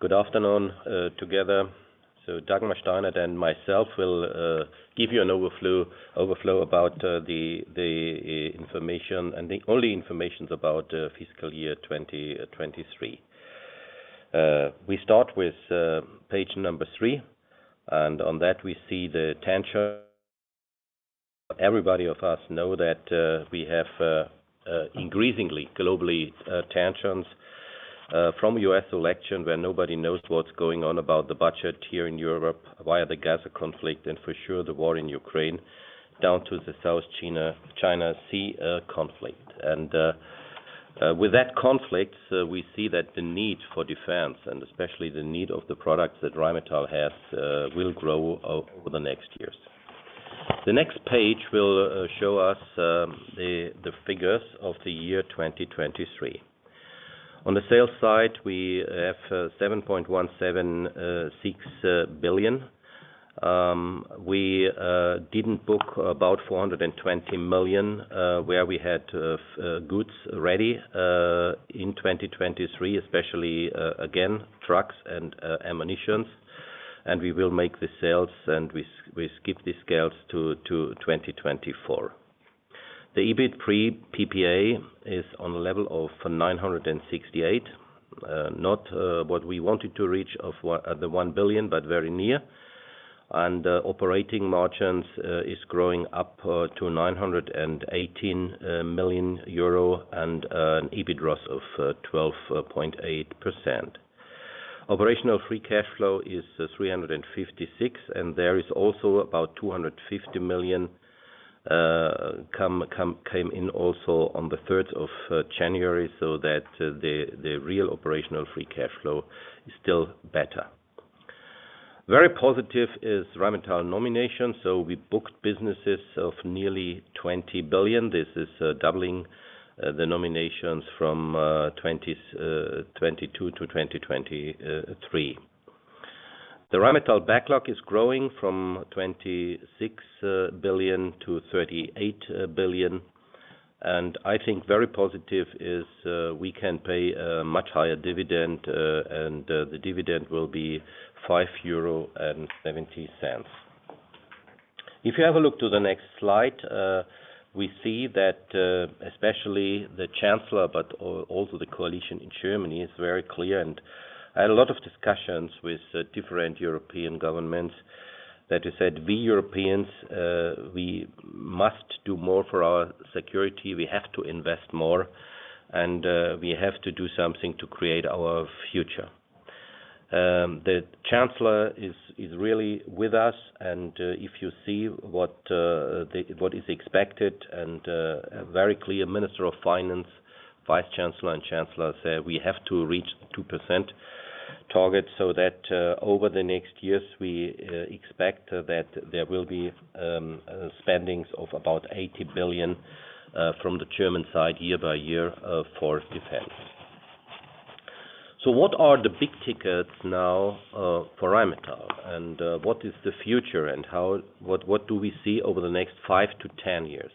Good afternoon, together. So Dagmar Steinert and myself will give you an overview about the information and the only information about fiscal year 2023. We start with page number 3, and on that we see the tensions. Everybody of us know that we have increasingly globally tensions from U.S. election where nobody knows what's going on about the budget here in Europe, via the Gaza conflict and for sure the war in Ukraine, down to the South China Sea conflict. With that conflicts, we see that the need for defense and especially the need of the products that Rheinmetall has will grow over the next years. The next page will show us the figures of the year 2023. On the sales side, we have 7.176 billion. We didn't book about 420 million, where we had goods ready in 2023, especially again trucks and ammunition. We will make the sales, and we skip the scales to 2024. The EBIT pre-PPA is on a level of 968 million, not what we wanted to reach, the 1 billion, but very near. Operating margins is growing up to 918 million euro and an EBIT ROS of 12.8%. Operational free cash flow is 356 million, and there is also about 250 million came in also on the 3rd of January, so that the real operational free cash flow is still better. Very positive is Rheinmetall nomination, so we booked businesses of nearly 20 billion. This is doubling the nominations from 2022-2023. The Rheinmetall backlog is growing from 26 billion-38 billion, and I think very positive is we can pay much higher dividend, and the dividend will be 5.70 euro. If you have a look at the next slide, we see that, especially the Chancellor, but also the coalition in Germany, is very clear and had a lot of discussions with different European governments that we said, "We Europeans, we must do more for our security. We have to invest more, and we have to do something to create our future." The Chancellor is really with us, and if you see what is expected and a very clear Minister of Finance, Vice Chancellor, and Chancellor said, "We have to reach the 2% target," so that over the next years we expect that there will be spending of about 80 billion from the German side year by year for defense. So what are the big tickets now for Rheinmetall, and what is the future, and how—what, what do we see over the next 5-10 years?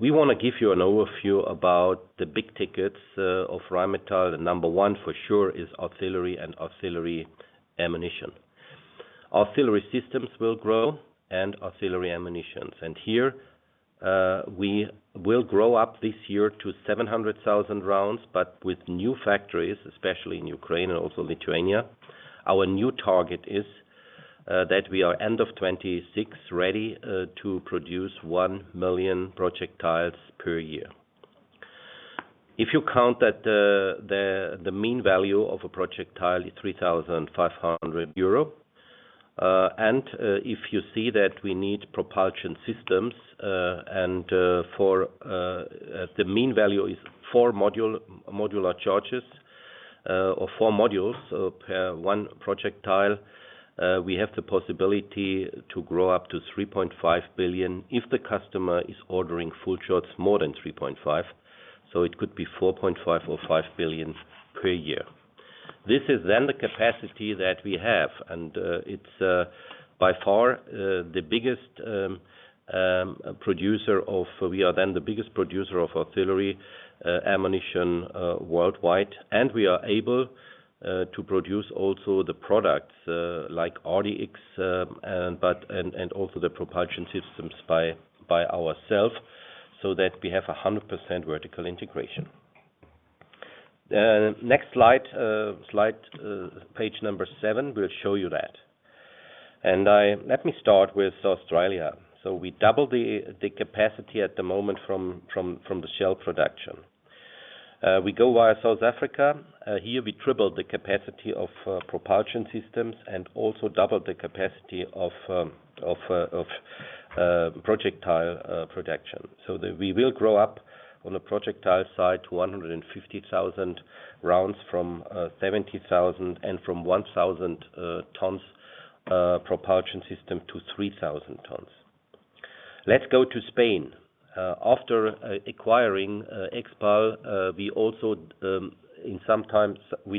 We want to give you an overview about the big tickets of Rheinmetall. The number one for sure is artillery and artillery ammunition. Artillery systems will grow and artillery ammunitions. Here, we will grow up this year to 700,000 rounds, but with new factories, especially in Ukraine and also Lithuania, our new target is that we are end of 2026 ready to produce 1,000,000 projectiles per year. If you count that the mean value of a projectile is 3,500 euro, and if you see that we need propulsion systems, the mean value is 4 modular charges, or 4 modules, per 1 projectile, we have the possibility to grow up to 3.5 billion if the customer is ordering full shots more than 3.5, so it could be 4.5 billion or 5 billion per year. This is then the capacity that we have, and it's by far the biggest producer—we are then the biggest producer of artillery ammunition worldwide, and we are able to produce also the products like RDX and also the propulsion systems by ourselves, so that we have 100% vertical integration. Next slide, page number 7, will show you that. Let me start with Australia. So we double the capacity at the moment from the shell production. We go via South Africa. Here we triple the capacity of propulsion systems and also double the capacity of projectile production. So we will grow up on the projectile side to 150,000 rounds from 70,000 and from 1,000 tons propulsion system to 3,000 tons. Let's go to Spain. After acquiring Expal, we also, in some times,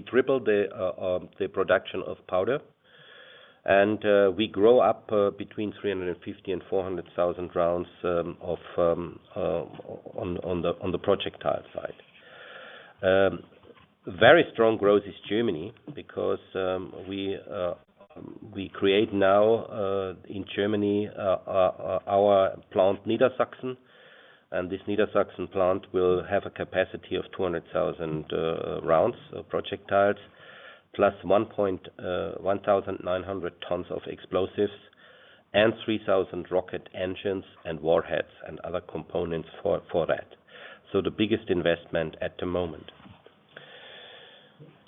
triple the production of powder, and we grow up between 350,000 and 400,000 rounds of on the projectile side. Very strong growth in Germany because we create now in Germany our plant Niedersachsen, and this Niedersachsen plant will have a capacity of 200,000 rounds projectiles, plus 1,900 tons of explosives and 3,000 rocket engines and warheads and other components for that. So the biggest investment at the moment.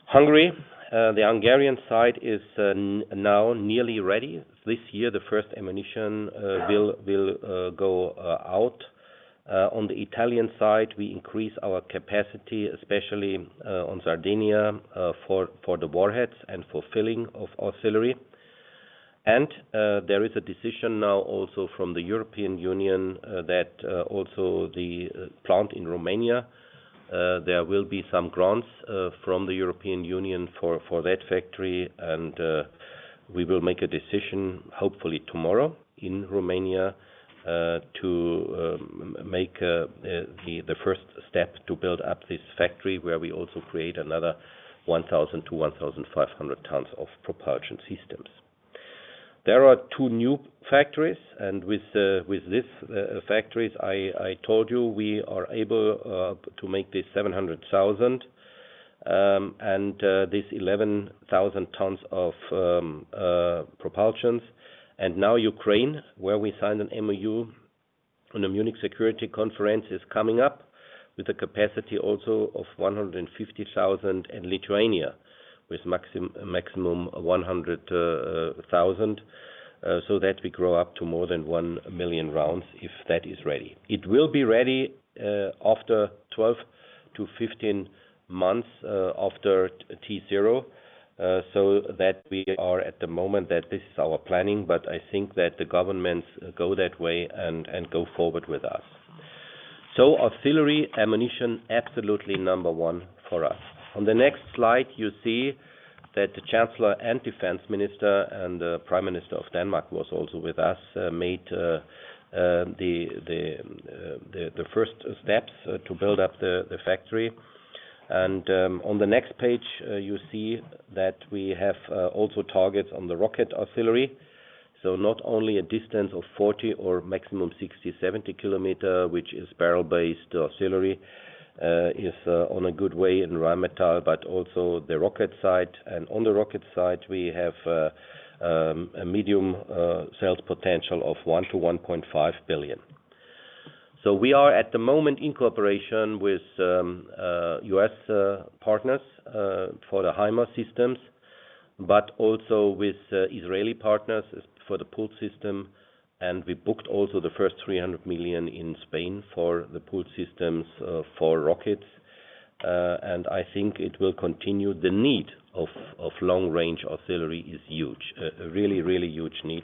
Hungary, the Hungarian side is now nearly ready. This year the first ammunition will go out. On the Italian side we increase our capacity, especially on Sardinia, for the warheads and for filling of artillery. There is a decision now also from the European Union that also the plant in Romania there will be some grants from the European Union for that factory, and we will make a decision, hopefully tomorrow, in Romania, to make the first step to build up this factory where we also create another 1,000-1,500 tons of propulsion systems. There are two new factories, and with this factories I told you we are able to make this 700,000 and this 11,000 tons of propulsions. And now Ukraine, where we signed an MOU on the Munich Security Conference, is coming up with a capacity also of 150,000 and Lithuania with maximum 100,000, so that we grow up to more than 1,000,000 rounds if that is ready. It will be ready after 12-15 months after T-Zero, so that we are at the moment that this is our planning, but I think that the governments go that way and go forward with us. So artillery ammunition, absolutely number one for us. On the next slide you see that the Chancellor and Defense Minister and the Prime Minister of Denmark was also with us, made the first steps to build up the factory. On the next page, you see that we have also targets on the rocket artillery, so not only a distance of 40 or maximum 60-70 kilometer, which is barrel-based artillery, is on a good way in Rheinmetall, but also the rocket side. And on the rocket side we have a medium sales potential of 1 billion-1.5 billion. So we are at the moment in cooperation with U.S. partners for the HIMARS systems, but also with Israeli partners as for the PULS system, and we booked also the first 300 million in Spain for the PULS systems, for rockets. And I think it will continue. The need of long-range artillery is huge, a really huge need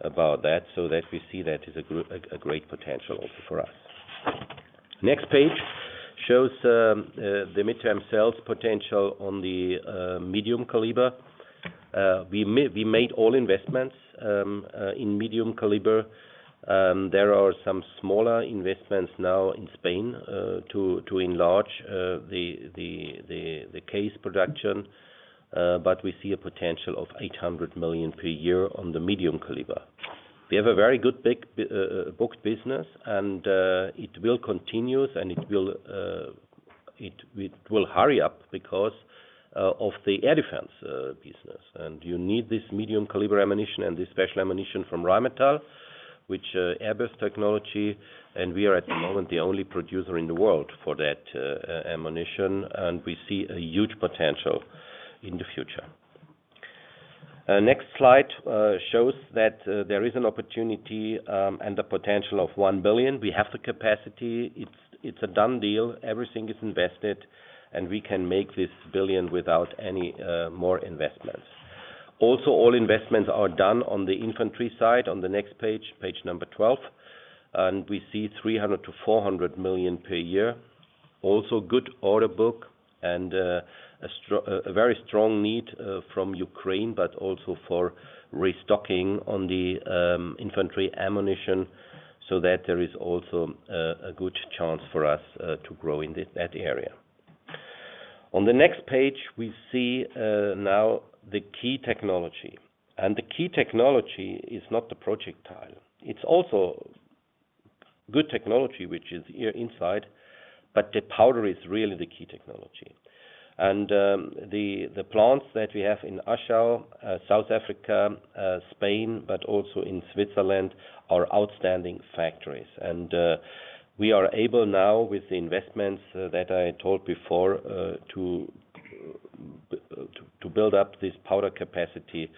about that, so that we see that is a great potential also for us. Next page shows the midterm sales potential on the medium caliber. We made all investments in medium caliber. There are some smaller investments now in Spain to enlarge the case production, but we see a potential of 800 million per year on the medium caliber. We have a very good big booked business, and it will continue, and it will hurry up because of the air defense business, and you need this medium caliber ammunition and this special ammunition from Rheinmetall, which Airburst technology, and we are at the moment the only producer in the world for that ammunition, and we see a huge potential in the future. Next slide shows that there is an opportunity, and the potential of 1 billion. We have the capacity. It's a done deal. Everything is invested, and we can make this billion without any more investments. Also, all investments are done on the infantry side on the next page, page number 12, and we see 300 million-400 million per year. Also, good order book and a very strong need from Ukraine, but also for restocking on the infantry ammunition so that there is also a good chance for us to grow in that area. On the next page we see now the key technology, and the key technology is not the projectile. It's also good technology, which is here inside, but the powder is really the key technology. And the plants that we have in Aschau, South Africa, Spain, but also in Switzerland are outstanding factories, and we are able now with the investments that I told before to build up this powder capacity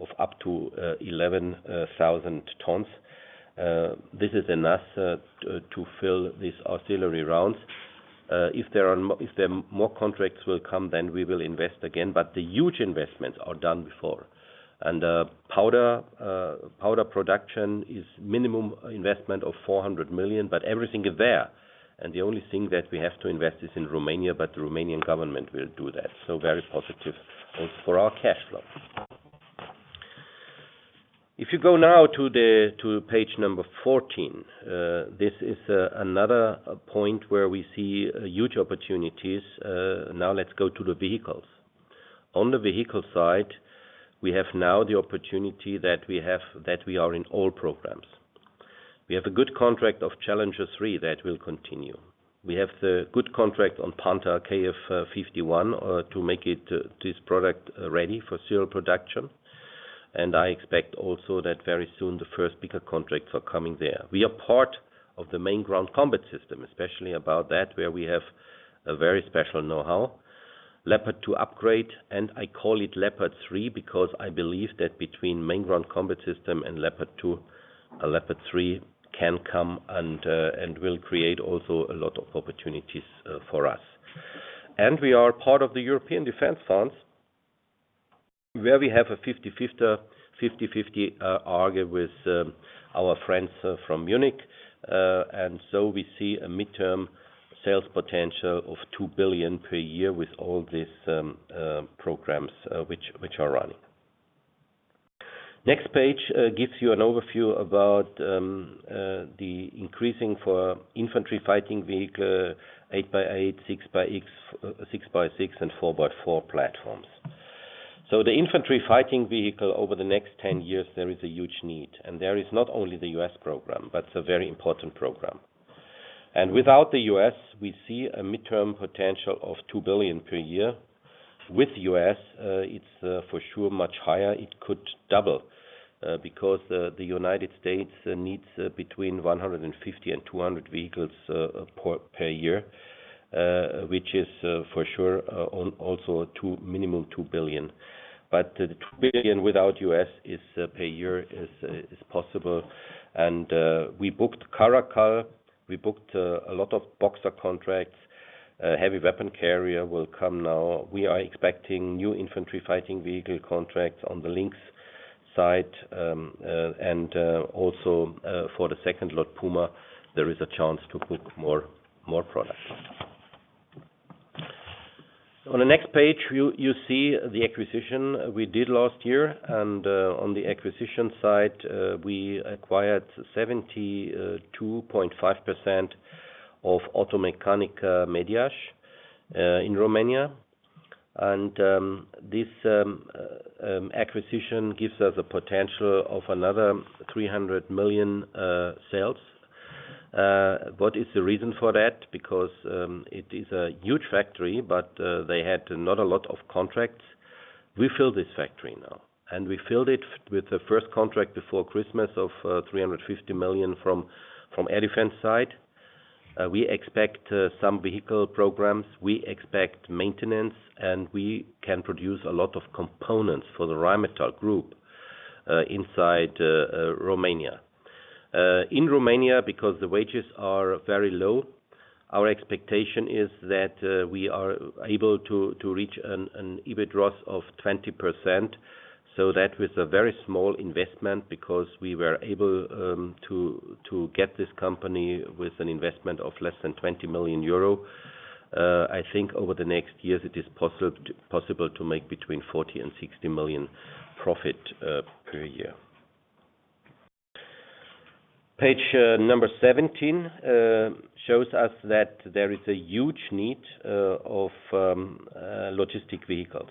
of up to 11,000 tons. This is enough to fill these artillery rounds. If there are more contracts will come, then we will invest again, but the huge investments are done before. Powder production is a minimum investment of 400 million, but everything is there, and the only thing that we have to invest is in Romania, but the Romanian government will do that, so very positive also for our cash flow. If you go now to the page number 14, this is another point where we see huge opportunities. Now let's go to the vehicles. On the vehicle side we have now the opportunity that we have that we are in all programs. We have a good contract of Challenger 3 that will continue. We have the good contract on Panther KF-51, to make it this product ready for serial production, and I expect also that very soon the first bigger contracts are coming there. We are part of the Main Ground Combat System, especially about that where we have a very special know-how, Leopard 2 upgrade, and I call it Leopard 3 because I believe that between Main Ground Combat System and Leopard 2, Leopard 3 can come and will create also a lot of opportunities for us. We are part of the European defense funds where we have a 50/50, 50/50 agreement with our friends from Munich, and so we see a mid-term sales potential of 2 billion per year with all these programs, which are running. Next page gives you an overview about the increasing for infantry fighting vehicle 8x8, 6xx, 6x6 and 4x4 platforms. So the infantry fighting vehicle over the next 10 years there is a huge need, and there is not only the U.S. program, but it's a very important program. And without the U.S. We see a midterm potential of 2 billion per year. With the U.S., it's for sure much higher. It could double, because the United States needs between 150-200 vehicles per year, which is for sure also a minimum 2 billion. But the 2 billion without U.S. per year is possible, and we booked Caracal. We booked a lot of Boxer contracts. Heavy weapon carrier will come now. We are expecting new infantry fighting vehicle contracts on the Lynx side, and also for the second lot Puma there is a chance to book more products. On the next page you see the acquisition we did last year, and on the acquisition side, we acquired 72.5% of Automecanica Mediaș in Romania, and this acquisition gives us a potential of another 300 million sales. What is the reason for that? Because it is a huge factory, but they had not a lot of contracts. We fill this factory now, and we filled it with the first contract before Christmas of 350 million from the air defense side. We expect some vehicle programs. We expect maintenance, and we can produce a lot of components for the Rheinmetall group inside Romania. In Romania, because the wages are very low, our expectation is that we are able to reach an EBITDA ROS of 20% so that with a very small investment because we were able to get this company with an investment of less than 20 million euro. I think over the next years it is possible to make between 40 million and 60 million profit per year. Page number 17 shows us that there is a huge need of logistic vehicles.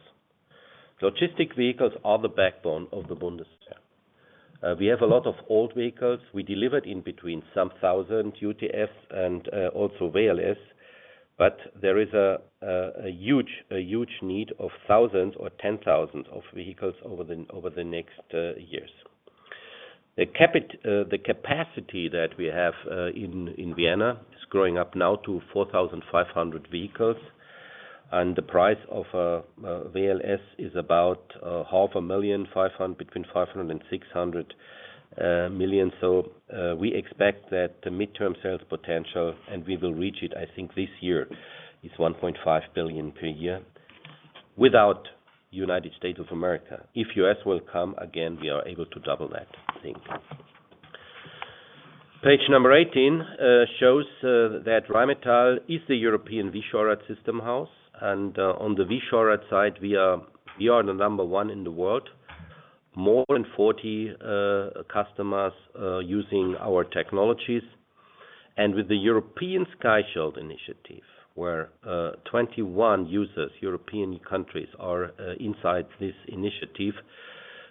Logistic vehicles are the backbone of the Bundeswehr. We have a lot of old vehicles. We delivered in between some 1,000 UTFs and also WLS, but there is a huge need of thousands or 10,000 vehicles over the next years. The capacity that we have in Vienna is growing up now to 4,500 vehicles, and the price of a WLS is about 500,000, between 500 million and 600 million, so we expect that the midterm sales potential, and we will reach it I think this year, is 1.5 billion per year without the United States of America. If U.S. will come again, we are able to double that, I think. Page number 18 shows that Rheinmetall is the European V-SHORAD system house, and on the V-SHORAD side we are the number one in the world, more than 40 customers using our technologies. With the European Sky Shield Initiative, where 21 users, European countries are inside this initiative,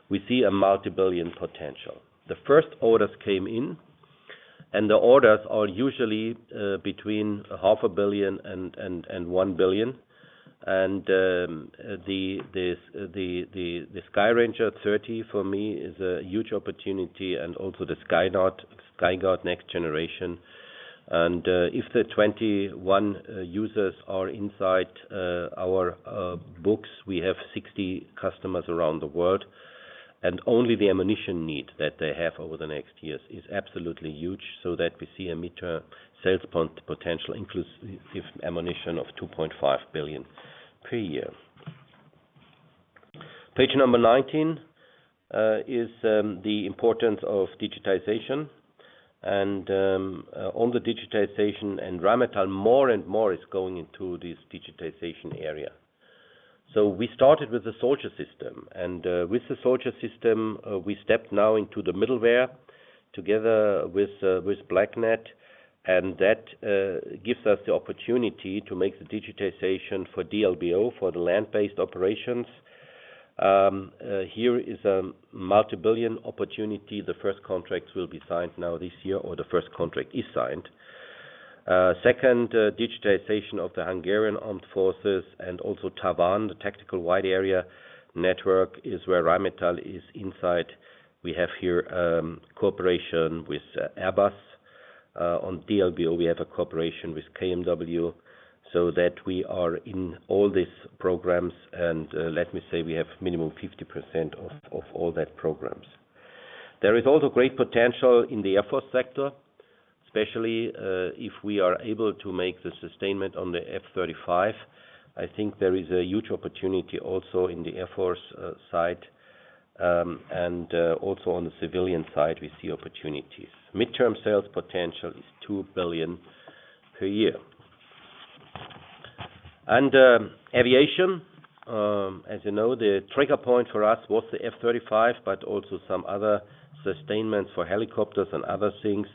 we see a multi-billion potential. The first orders came in, and the orders are usually between 500 million and 1 billion, and the SkyRanger 30 for me is a huge opportunity and also the Skynex, SkyGuard next generation. If the 21 users are inside our books, we have 60 customers around the world, and only the ammunition need that they have over the next years is absolutely huge so that we see a midterm sales potential inclusive ammunition of 2.5 billion per year. Page number 19 is the importance of digitization, and on the digitization and Rheinmetall more and more is going into this digitization area. So we started with the Soldier System, and with the Soldier System, we stepped now into the middleware together with Blackned, and that gives us the opportunity to make the digitization for D-LBO, for the land-based operations. Here is a multi-billion opportunity. The first contracts will be signed now this year, or the first contract is signed. Second, digitization of the Hungarian armed forces and also TaWAN, the tactical wide area network, is where Rheinmetall is inside. We have here cooperation with Airbus. On D-LBO we have a cooperation with KMW so that we are in all these programs, and let me say we have minimum 50% of all that programs. There is also great potential in the Air Force sector, especially if we are able to make the sustainment on the F-35. I think there is a huge opportunity also in the Air Force side, and also on the civilian side we see opportunities. Midterm sales potential is 2 billion per year. And aviation, as you know, the trigger point for us was the F-35 but also some other sustainments for helicopters and other things.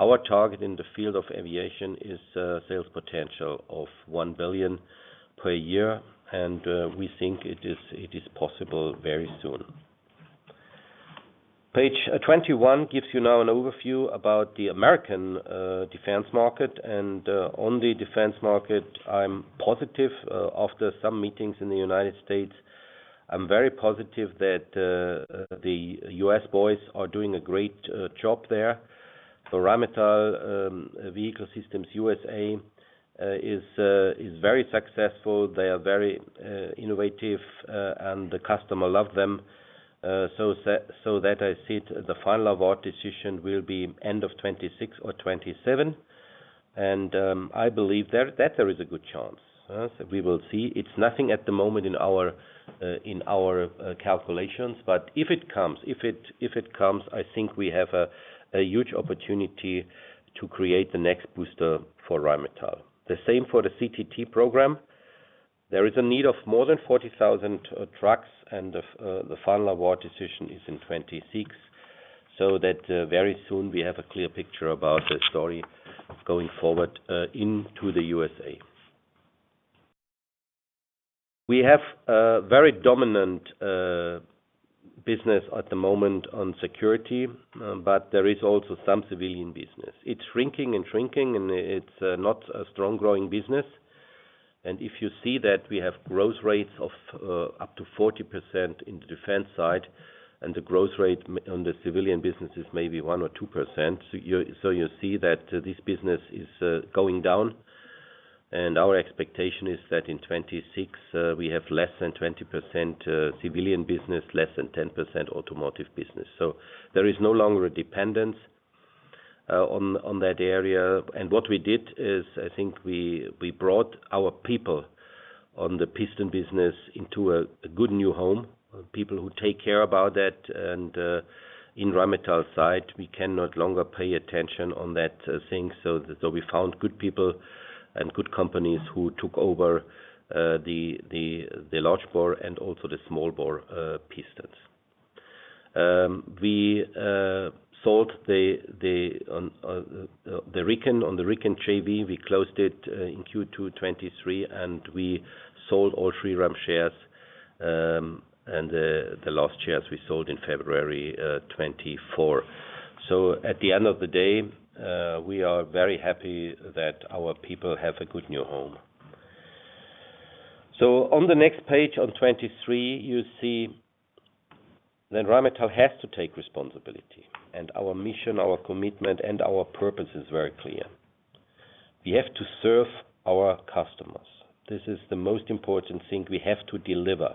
Our target in the field of aviation is sales potential of 1 billion per year, and we think it is possible very soon. Page 21 gives you now an overview about the American defense market, and on the defense market I'm positive after some meetings in the United States. I'm very positive that the U.S. boys are doing a great job there. For Rheinmetall Vehicle Systems USA is very successful. They are very innovative, and the customer love them. So that I see it the final award decision will be end of 2026 or 2027, and I believe there is a good chance, so we will see. It's nothing at the moment in our calculations, but if it comes I think we have a huge opportunity to create the next booster for Rheinmetall. The same for the CTT program. There is a need for more than 40,000 trucks, and the final award decision is in 2026 so that very soon we have a clear picture about the story going forward into the USA. We have very dominant business at the moment on security, but there is also some civilian business. It's shrinking and shrinking, and it's not a strong growing business, and if you see that we have growth rates of up to 40% in the defense side and the growth rate on the civilian business is maybe 1% or 2%, so you see that this business is going down, and our expectation is that in 2026, we have less than 20% civilian business, less than 10% automotive business. So there is no longer a dependence on that area, and what we did is I think we brought our people on the piston business into a good new home, people who take care about that, and on the Rheinmetall side we can no longer pay attention to that thing, so we found good people and good companies who took over the large bore and also the small bore pistons. We sold the one on the Riken JV. We closed it in Q2 2023, and we sold all the Riken shares, and the last shares we sold in February 2024. So at the end of the day, we are very happy that our people have a good new home. So on the next page on 2023 you see that Rheinmetall has to take responsibility, and our mission, our commitment, and our purpose is very clear. We have to serve our customers. This is the most important thing we have to deliver.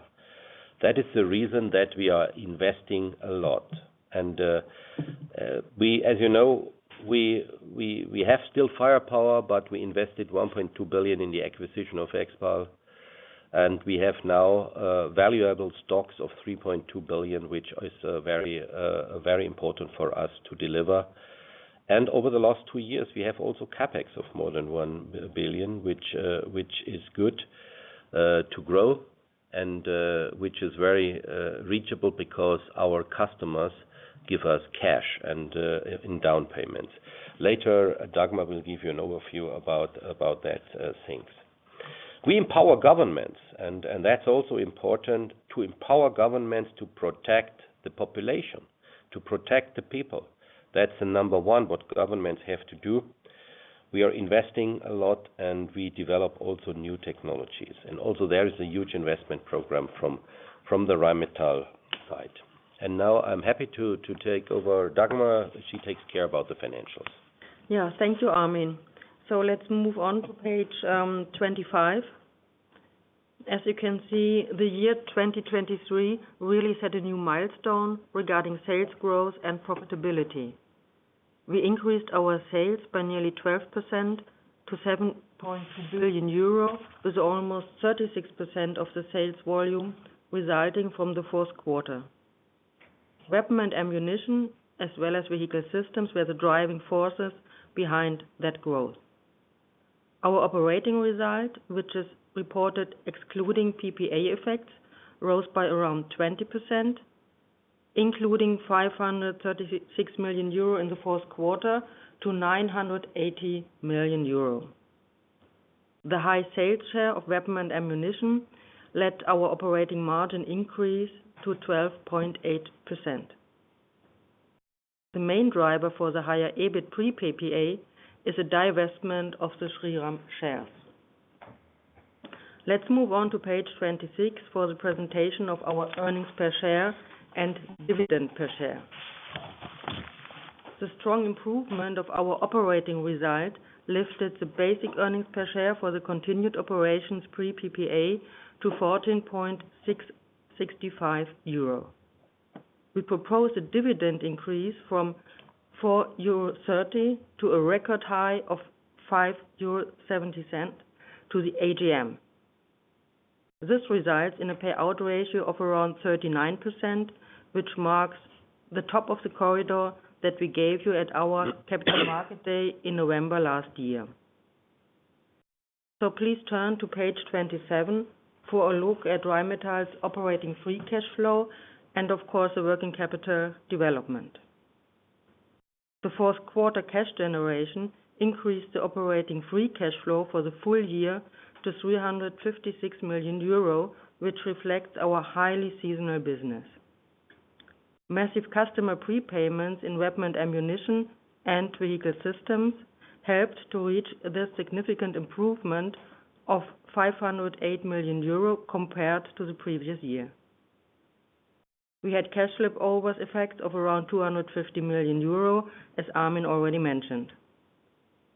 That is the reason that we are investing a lot, and, as you know, we have still firepower, but we invested 1.2 billion in the acquisition of Expal, and we have now valuable stocks of 3.2 billion which is very, very important for us to deliver. Over the last two years we have also CapEx of more than 1 billion, which is good to grow and which is very reachable because our customers give us cash and in down payments. Later, Dagmar will give you an overview about that things. We empower governments, and that's also important, to empower governments to protect the population, to protect the people. That's the number one what governments have to do. We are investing a lot, and we develop also new technologies, and also there is a huge investment program from the Rheinmetall side. Now I'm happy to take over Dagmar. She takes care about the financials. Yeah, thank you, Armin. So let's move on to page 25. As you can see, the year 2023 really set a new milestone regarding sales growth and profitability. We increased our sales by nearly 12% to 7.2 billion euro with almost 36% of the sales volume resulting from the fourth quarter. Weapon and ammunition as well as vehicle systems were the driving forces behind that growth. Our operating result, which is reported excluding PPA effects, rose by around 20% including 536 million euro in the fourth quarter to 980 million euro. The high sales share of weapon and ammunition led our operating margin increase to 12.8%. The main driver for the higher EBIT pre-PPA is a divestment of the Shriram shares. Let's move on to page 26 for the presentation of our earnings per share and dividend per share. The strong improvement of our operating result lifted the basic earnings per share for the continued operations pre-PPA to 14.665 euro. We proposed a dividend increase from 4.30 euro to a record high of 5.70 euro to the AGM. This results in a payout ratio of around 39% which marks the top of the corridor that we gave you at our Capital Market Day in November last year. So please turn to page 27 for a look at Rheinmetall's operating free cash flow and, of course, the working capital development. The fourth quarter cash generation increased the operating free cash flow for the full year to 356 million euro which reflects our highly seasonal business. Massive customer pre-payments in weapon and ammunition and vehicle systems helped to reach this significant improvement of 508 million euro compared to the previous year. We had cash flipovers effects of around 250 million euro as Armin already mentioned.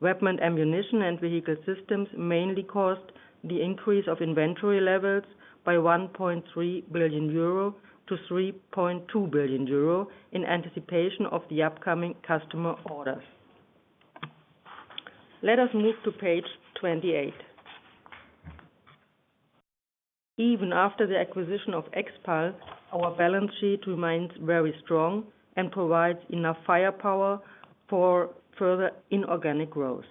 Weapon and ammunition and vehicle systems mainly caused the increase of inventory levels by 1.3 billion-3.2 billion euro in anticipation of the upcoming customer orders. Let us move to page 28. Even after the acquisition of Expal, our balance sheet remains very strong and provides enough firepower for further inorganic growth.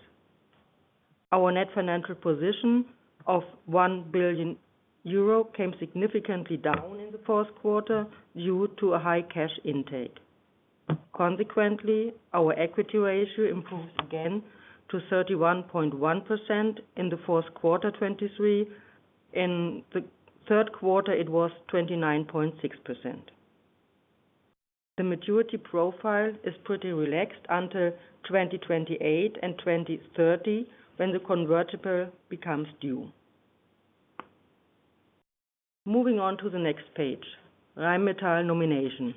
Our net financial position of 1 billion euro came significantly down in the fourth quarter due to a high cash intake. Consequently, our equity ratio improved again to 31.1% in the fourth quarter 2023. In the third quarter it was 29.6%. The maturity profile is pretty relaxed until 2028 and 2030 when the convertible becomes due. Moving on to the next page, Rheinmetall nomination.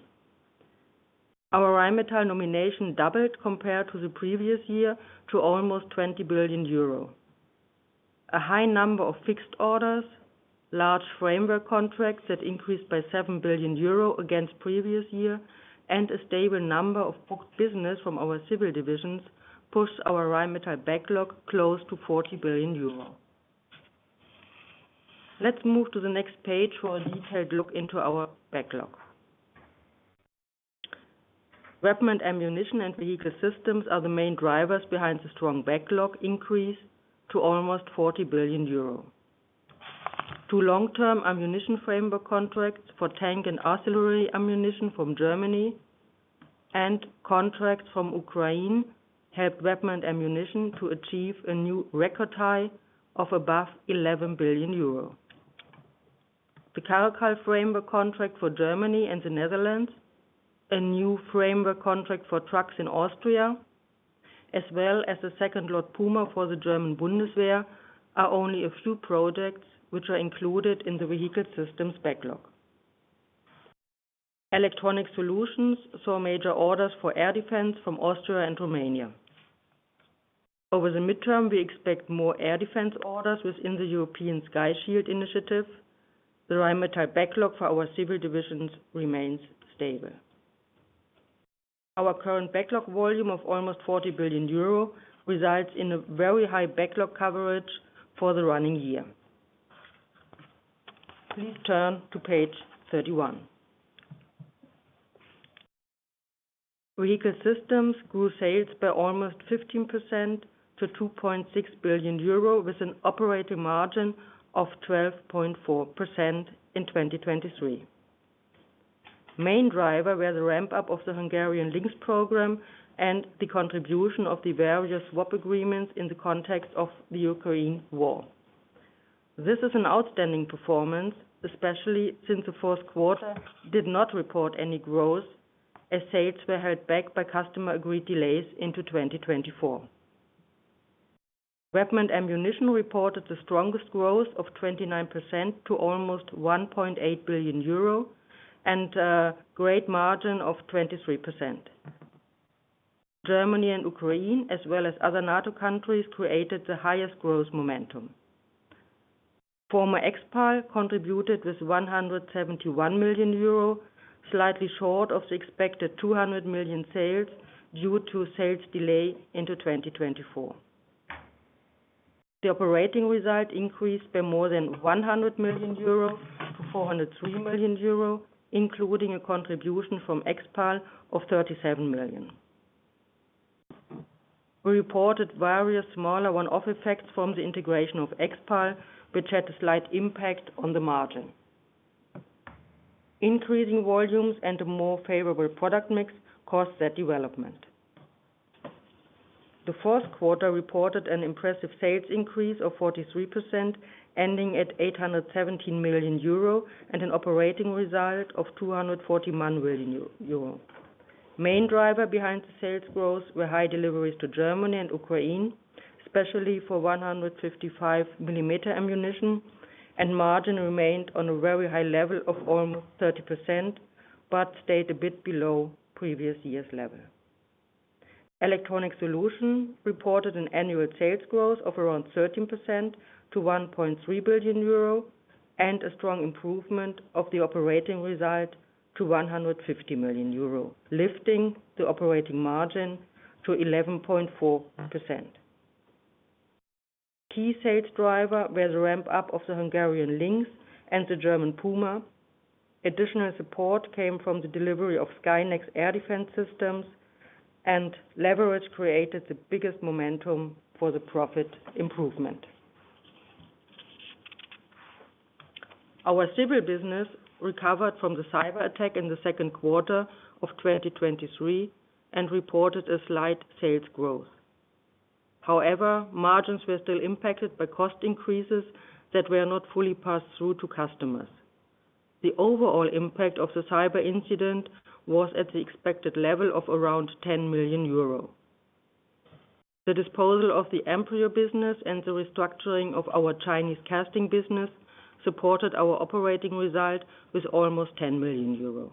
Our Rheinmetall nomination doubled compared to the previous year to almost 20 billion euro. A high number of fixed orders, large framework contracts that increased by 7 billion euro against previous year, and a stable number of booked business from our civil divisions pushed our Rheinmetall backlog close to 40 billion euro. Let's move to the next page for a detailed look into our backlog. Weapon and ammunition and vehicle systems are the main drivers behind the strong backlog increase to almost 40 billion euro. Two long-term ammunition framework contracts for tank and artillery ammunition from Germany and contracts from Ukraine helped weapon and ammunition to achieve a new record high of above 11 billion euro. The Caracal framework contract for Germany and the Netherlands, a new framework contract for trucks in Austria, as well as the second lot Puma for the German Bundeswehr are only a few projects which are included in the vehicle systems backlog. Electronic solutions saw major orders for air defense from Austria and Romania. Over the midterm we expect more air defense orders within the European Sky Shield Initiative. The Rheinmetall backlog for our civil divisions remains stable. Our current backlog volume of almost 40 billion euro results in a very high backlog coverage for the running year. Please turn to page 31. Vehicle systems grew sales by almost 15% to 2.6 billion euro with an operating margin of 12.4% in 2023. Main driver were the ramp-up of the Hungarian Lynx program and the contribution of the various swap agreements in the context of the Ukraine war. This is an outstanding performance, especially since the fourth quarter did not report any growth as sales were held back by customer agreed delays into 2024. Weapon and ammunition reported the strongest growth of 29% to almost 1.8 billion euro and a great margin of 23%. Germany and Ukraine as well as other NATO countries created the highest growth momentum. Former Expal contributed with 171 million euro, slightly short of the expected 200 million sales due to sales delay into 2024. The operating result increased by more than 100 million euro to 403 million euro, including a contribution from Expal of 37 million. We reported various smaller one-off effects from the integration of Expal which had a slight impact on the margin. Increasing volumes and a more favorable product mix caused that development. The fourth quarter reported an impressive sales increase of 43% ending at 817 million euro and an operating result of 241 million euro. Main driver behind the sales growth were high deliveries to Germany and Ukraine, especially for 155 millimeter ammunition, and margin remained on a very high level of almost 30% but stayed a bit below previous year's level. Electronics Solutions reported an annual sales growth of around 13% to 1.3 billion euro and a strong improvement of the operating result to 150 million euro, lifting the operating margin to 11.4%. Key sales drivers were the ramp-up of the Hungarian Lynx and the German Puma. Additional support came from the delivery of Skynex air defense systems, and leverage created the biggest momentum for the profit improvement. Our civil business recovered from the cyber attack in the second quarter of 2023 and reported a slight sales growth. However, margins were still impacted by cost increases that were not fully passed through to customers. The overall impact of the cyber incident was at the expected level of around 10 million euro. The disposal of the Amprio business and the restructuring of our Chinese casting business supported our operating result with almost 10 million euro.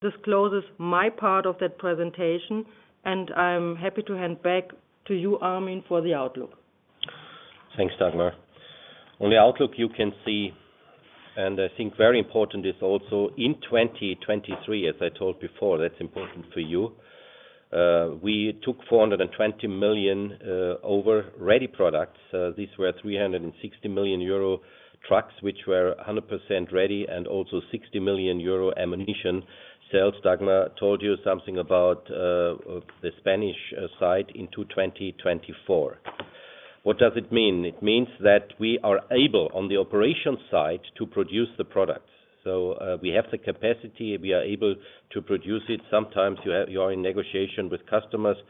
This closes my part of that presentation, and I'm happy to hand back to you, Armin, for the outlook. Thanks, Dagmar. On the Outlook you can see, and I think very important is also in 2023, as I told before, that's important for you, we took 420 million over ready products. These were 360 million euro trucks which were 100% ready and also 60 million euro ammunition sales. Dagmar told you something about the Spanish side in 2024. What does it mean? It means that we are able on the operations side to produce the products. So, we have the capacity. We are able to produce it. Sometimes you are in negotiation with customers to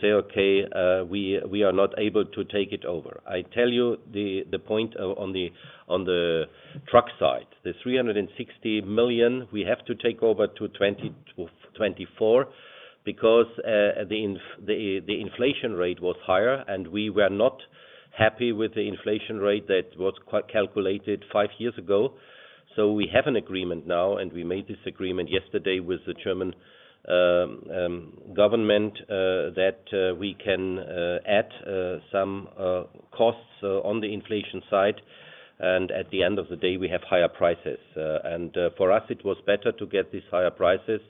say, "Okay, we are not able to take it over." I tell you the point on the truck side. The 360 million we have to take over to 2024 because the inflation rate was higher and we were not happy with the inflation rate that was calculated five years ago. So we have an agreement now, and we made this agreement yesterday with the German government that we can add some costs on the inflation side, and at the end of the day we have higher prices. And for us it was better to get these higher prices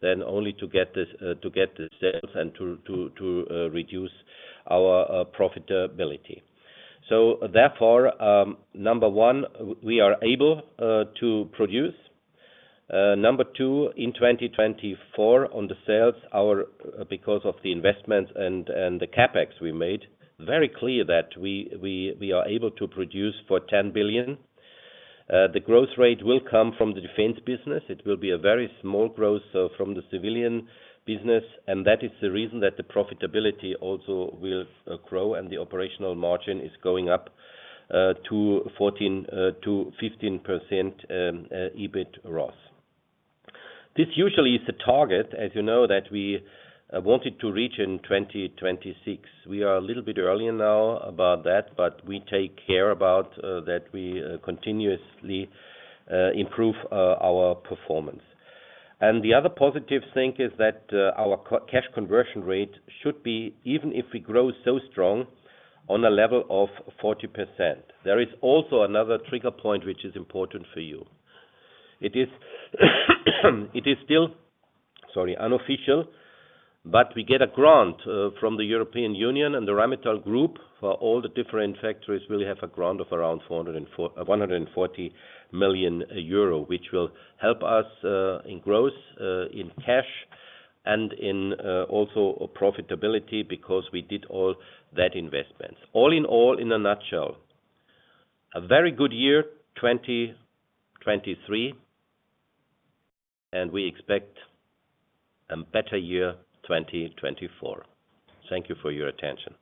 than only to get this to get the sales and to reduce our profitability. So therefore, number one, we are able to produce. Number two, in 2024 on the sales, our because of the investments and the CapEx we made, very clear that we are able to produce for 10 billion. The growth rate will come from the defense business. It will be a very small growth from the civilian business, and that is the reason that the profitability also will grow and the operational margin is going up to 14%-15%, EBIT ROS. This usually is the target, as you know, that we wanted to reach in 2026. We are a little bit early now about that, but we take care about that we continuously improve our performance. And the other positive thing is that our cash conversion rate should be, even if we grow so strong, on a level of 40%. There is also another trigger point which is important for you. It is still, sorry, unofficial, but we get a grant from the European Union and the Rheinmetall Group for all the different factories will have a grant of around 440 million euro which will help us in growth in cash and in also profitability because we did all that investments. All in all, in a nutshell, a very good year 2023, and we expect a better year 2024. Thank you for your attention.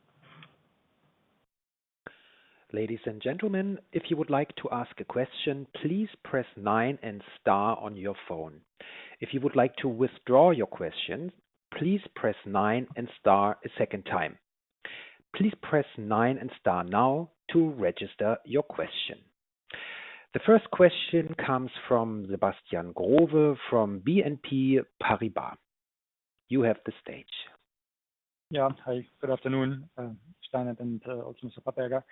Ladies and gentlemen, if you would like to ask a question, please press 9 and star on your phone. If you would like to withdraw your question, please press 9 and star a second time. Please press 9 and star now to register your question. The first question comes from Sebastian Growe from BNP Paribas. You have the stage. Yeah, hi. Good afternoon, Steinert and also Mr. Papperger.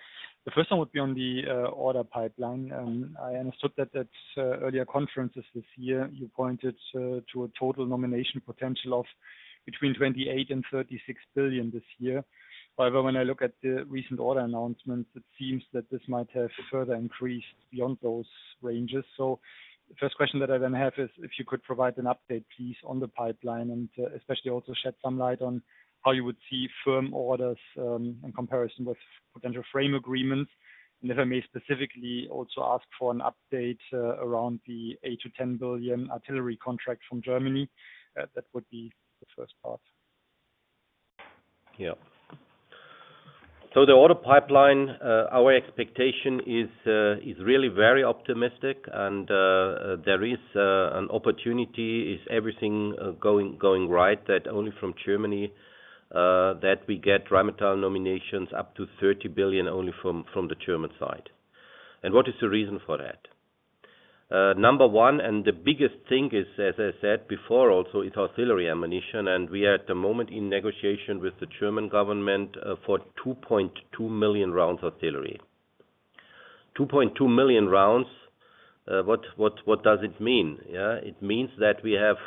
The first one would be on the order pipeline. I understood that at earlier conferences this year you pointed to a total nomination potential of between 28 billion and 36 billion this year. However, when I look at the recent order announcements, it seems that this might have further increased beyond those ranges. So the first question that I then have is if you could provide an update, please, on the pipeline and especially also shed some light on how you would see firm orders in comparison with potential frame agreements. And if I may specifically also ask for an update around the 8 billion-10 billion artillery contract from Germany, that would be the first part. Yeah. So the order pipeline, our expectation is really very optimistic, and there is an opportunity. Is everything going right that only from Germany that we get Rheinmetall nominations up to 30 billion only from the German side? And what is the reason for that? Number one, and the biggest thing is, as I said before also, is artillery ammunition, and we are at the moment in negotiation with the German government for 2.2 million rounds artillery. 2.2 million rounds, what does it mean? Yeah, it means that we have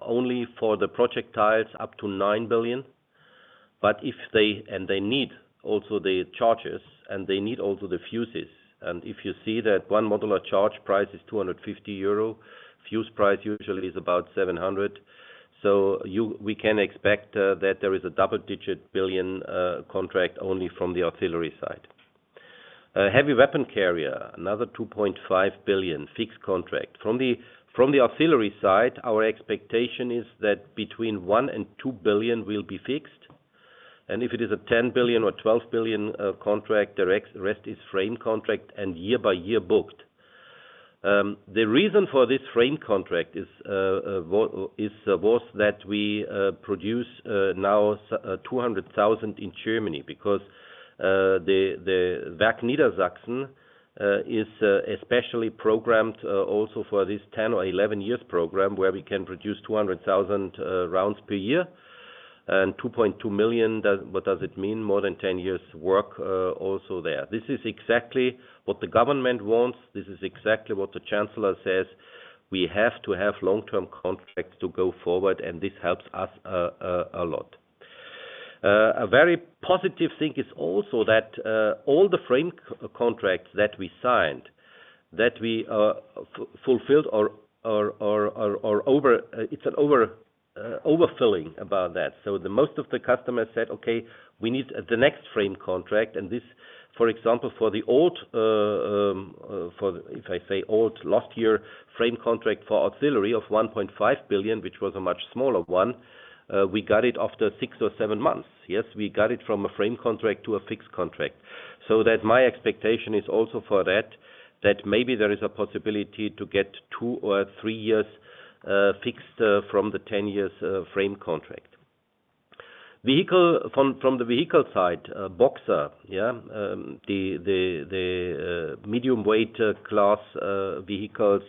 only for the projectiles up to 9 billion, but if they and they need also the charges and they need also the fuses, and if you see that one modular charge price is 250 euro, fuse price usually is about 700, so we can expect that there is a double-digit billion contract only from the artillery side. Heavy weapon carrier, another 2.5 billion, fixed contract. From the artillery side, our expectation is that between 1 billion and 2 billion will be fixed, and if it is a 10 billion or 12 billion contract, the rest is frame contract and year by year booked. The reason for this frame contract is was that we produce now 200,000 in Germany because the Werk Niedersachsen is especially programmed also for this 10 or 11 years program where we can produce 200,000 rounds per year, and 2.2 million, what does it mean? More than 10 years work also there. This is exactly what the government wants. This is exactly what the Chancellor says. We have to have long-term contracts to go forward, and this helps us a lot. A very positive thing is also that all the frame contracts that we signed, that we fulfilled are over. It's an overfulfillment about that. So most of the customers said, "Okay, we need the next frame contract," and this, for example, for the old, for if I say old, last year frame contract for artillery of 1.5 billion, which was a much smaller one, we got it after 6 or 7 months. Yes, we got it from a frame contract to a fixed contract. So that my expectation is also for that, that maybe there is a possibility to get 2 or 3 years fixed from the 10 years frame contract. Vehicle from the vehicle side, Boxer, yeah, the medium weight class vehicles,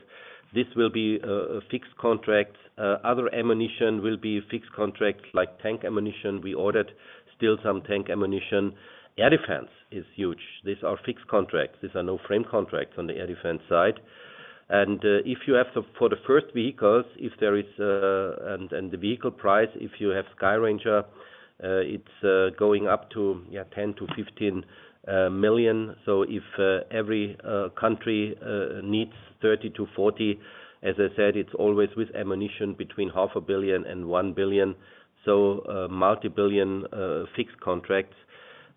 this will be a fixed contract. Other ammunition will be fixed contract like tank ammunition. We ordered still some tank ammunition. Air defense is huge. These are fixed contracts. These are no frame contracts on the air defense side. And if you have the for the first vehicles, if there is and the vehicle price, if you have SkyRanger, it's going up to, yeah, 10 million-15 million. So if every country needs 30-40, as I said, it's always with ammunition between 0.5 billion and 1 billion. So multi-billion fixed contracts.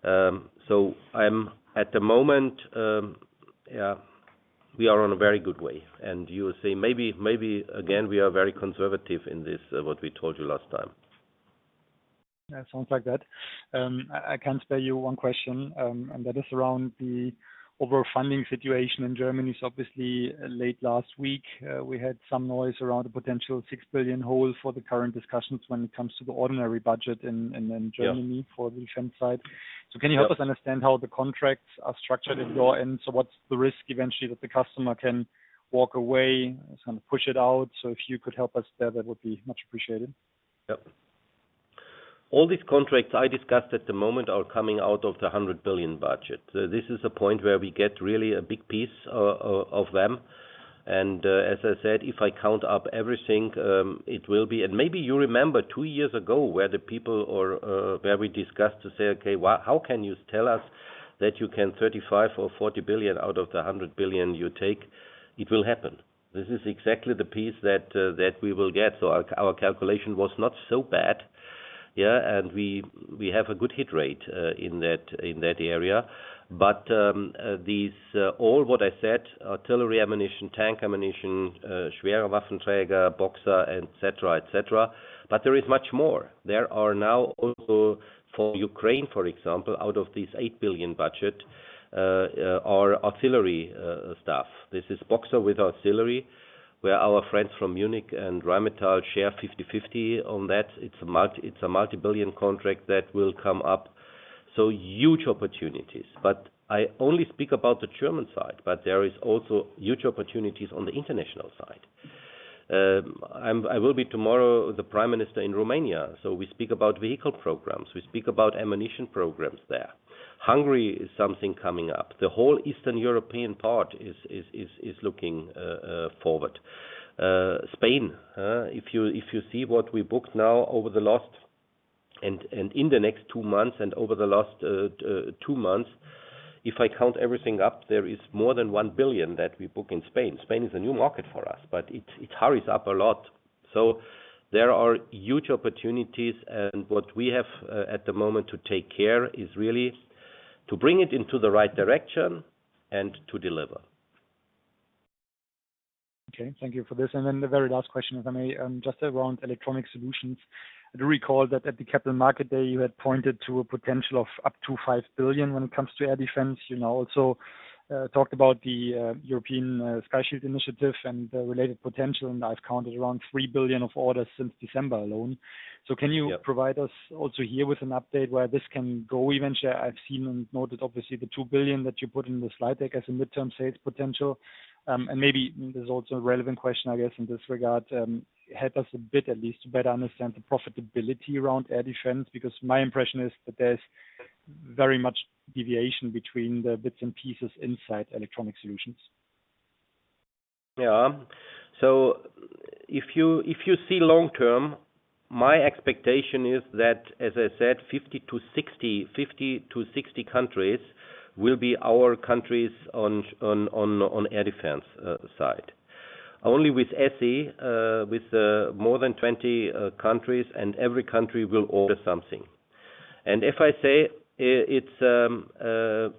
So I'm at the moment, yeah, we are on a very good way. And you say maybe, maybe again, we are very conservative in this, what we told you last time. Yeah, it sounds like that. I can spare you one question, and that is around the overall funding situation in Germany. So obviously, late last week we had some noise around a potential 6 billion hole for the current discussions when it comes to the ordinary budget in Germany for the defense side. So can you help us understand how the contracts are structured at your end? So what's the risk eventually that the customer can walk away, kind of push it out? So if you could help us there, that would be much appreciated. Yep. All these contracts I discussed at the moment are coming out of the 100 billion budget. This is a point where we get really a big piece of them. And as I said, if I count up everything, it will be and maybe you remember two years ago where the people or where we discussed to say, "Okay, how can you tell us that you can 35 billion or 40 billion out of the 100 billion you take?" It will happen. This is exactly the piece that that we will get. So our calculation was not so bad, yeah, and we have a good hit rate in that area. But these all what I said, artillery ammunition, tank ammunition, Schwere Waffenträger, Boxer, etc., etc., but there is much more. There are now also for Ukraine, for example, out of this 8 billion budget, are artillery stuff. This is Boxer with artillery where our friends from Munich and Rheinmetall share 50/50 on that. It's a multi-billion contract that will come up. So huge opportunities. But I only speak about the German side, but there is also huge opportunities on the international side. I will be tomorrow the Prime Minister in Romania, so we speak about vehicle programs. We speak about ammunition programs there. Hungary is something coming up. The whole Eastern European part is looking forward. Spain, if you see what we booked now over the last two months and in the next two months, if I count everything up, there is more than 1 billion that we book in Spain. Spain is a new market for us, but it hurries up a lot. So there are huge opportunities, and what we have at the moment to take care is really to bring it into the right direction and to deliver. Okay. Thank you for this. And then the very last question, if I may, just around electronics solutions. I do recall that at the Capital Markets Day you had pointed to a potential of up to 5 billion when it comes to air defense. You now also talked about the European Sky Shield Initiative and the related potential, and I've counted around 3 billion of orders since December alone. So can you provide us also here with an update where this can go eventually? I've seen and noted obviously the 2 billion that you put in the slide deck as a midterm sales potential. And maybe this is also a relevant question, I guess, in this regard. Help us a bit at least to better understand the profitability around air defense because my impression is that there's very much deviation between the bits and pieces inside electronic solutions. Yeah. So if you see long-term, my expectation is that, as I said, 50-60 countries will be our countries on air defense side. Only with ESSI, with more than 20 countries, and every country will. Something. And if I say it's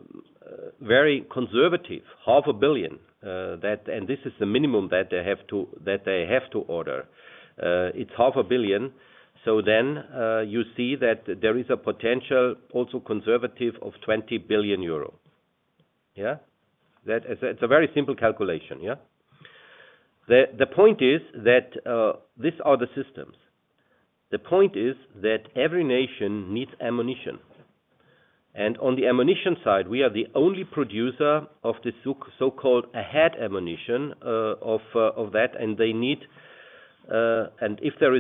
very conservative, 500 million, that and this is the minimum that they have to order, it's 500 million. So then you see that there is a potential also conservative of 20 billion euro. Yeah? That it's a very simple calculation, yeah? The point is that these are the systems. The point is that every nation needs ammunition. And on the ammunition side, we are the only producer of the so-called AHEAD ammunition of that, and they need and if there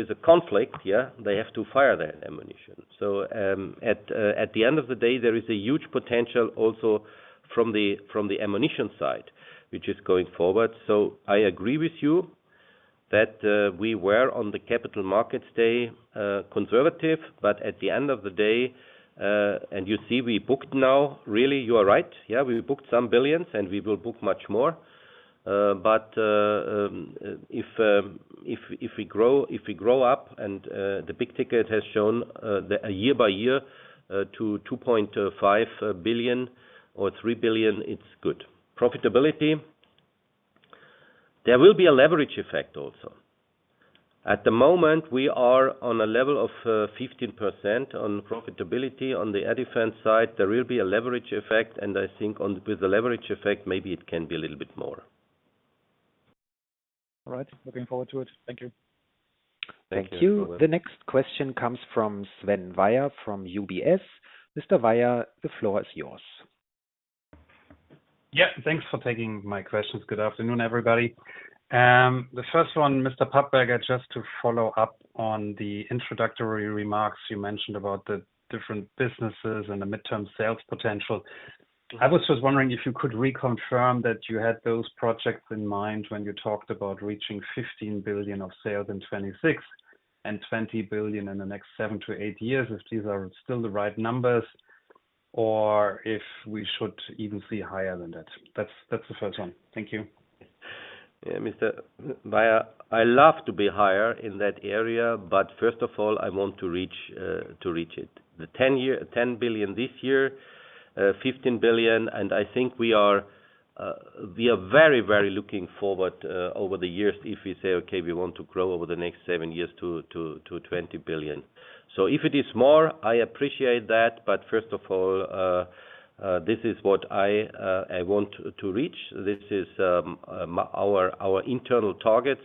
is a conflict, yeah, they have to fire that ammunition. So at the end of the day, there is a huge potential also from the ammunition side which is going forward. I agree with you that we were on the Capital Markets Day conservative, but at the end of the day and you see we booked now, really, you are right, yeah, we booked some billions and we will book much more. But if we grow up and the big ticket has shown a year by year to 2.5 billion or 3 billion, it's good. Profitability, there will be a leverage effect also. At the moment, we are on a level of 15% on profitability on the air defense side. There will be a leverage effect, and I think on with the leverage effect, maybe it can be a little bit more. All right. Looking forward to it. Thank you. Thank you. The next question comes from Sven Weier from UBS. Mr. Weier, the floor is yours. Yeah. Thanks for taking my questions. Good afternoon, everybody. The first one, Mr. Papperger, just to follow up on the introductory remarks you mentioned about the different businesses and the midterm sales potential. I was just wondering if you could reconfirm that you had those projects in mind when you talked about reaching 15 billion of sales in '26 and 20 billion in the next seven to eight years, if these are still the right numbers or if we should even see higher than that? That's the first one. Thank you. Yeah, Mr. Weier, I love to be higher in that area, but first of all, I want to reach it. The 10-year 10 billion this year, 15 billion, and I think we are very looking forward over the years if we say, "Okay, we want to grow over the next seven years to 20 billion." So if it is more, I appreciate that, but first of all, this is what I want to reach. This is our internal targets.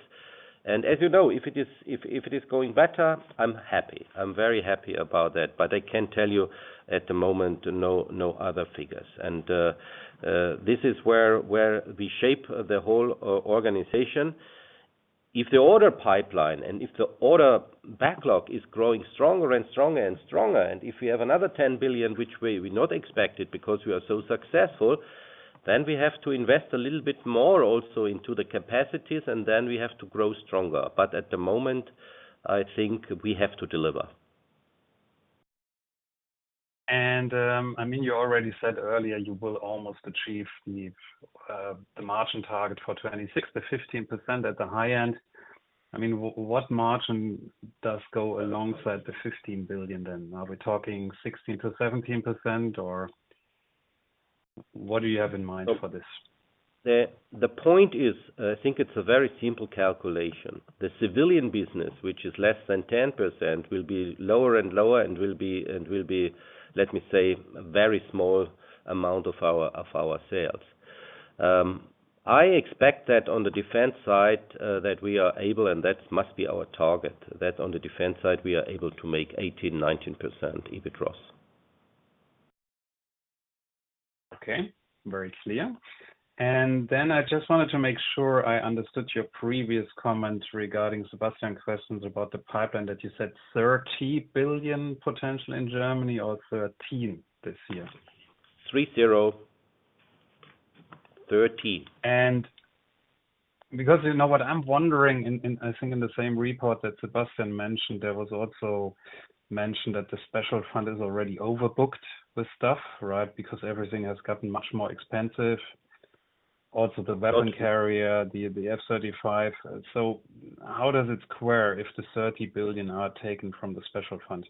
And as you know, if it is going better, I'm happy. I'm very happy about that, but I can tell you at the moment, no other figures. And this is where we shape the whole organization. If the order pipeline and if the order backlog is growing stronger and stronger and stronger, and if we have another 10 billion which we not expected because we are so successful, then we have to invest a little bit more also into the capacities, and then we have to grow stronger. But at the moment, I think we have to deliver. And I mean, you already said earlier you will almost achieve the margin target for 2026, the 15% at the high end. I mean, what margin does go alongside the 15 billion then? Are we talking 16%-17%, or what do you have in mind for this? The point is, I think it's a very simple calculation. The civilian business, which is less than 10%, will be lower and lower and will be and will be, let me say, a very small amount of our of our sales. I expect that on the defense side that we are able, and that must be our target, that on the defense side we are able to make 18%-19% EBIT ROS. Okay. Very clear. And then I just wanted to make sure I understood your previous comment regarding Sebastian's questions about the pipeline that you said 30 billion potential in Germany or 13 billion this year. 30, 13. And because, you know what, I'm wondering in I think in the same report that Sebastian mentioned, there was also mentioned that the special fund is already overbooked with stuff, right, because everything has gotten much more expensive. Also the weapon carrier, the F-35. So how does it square if the 30 billion are taken from the special fund?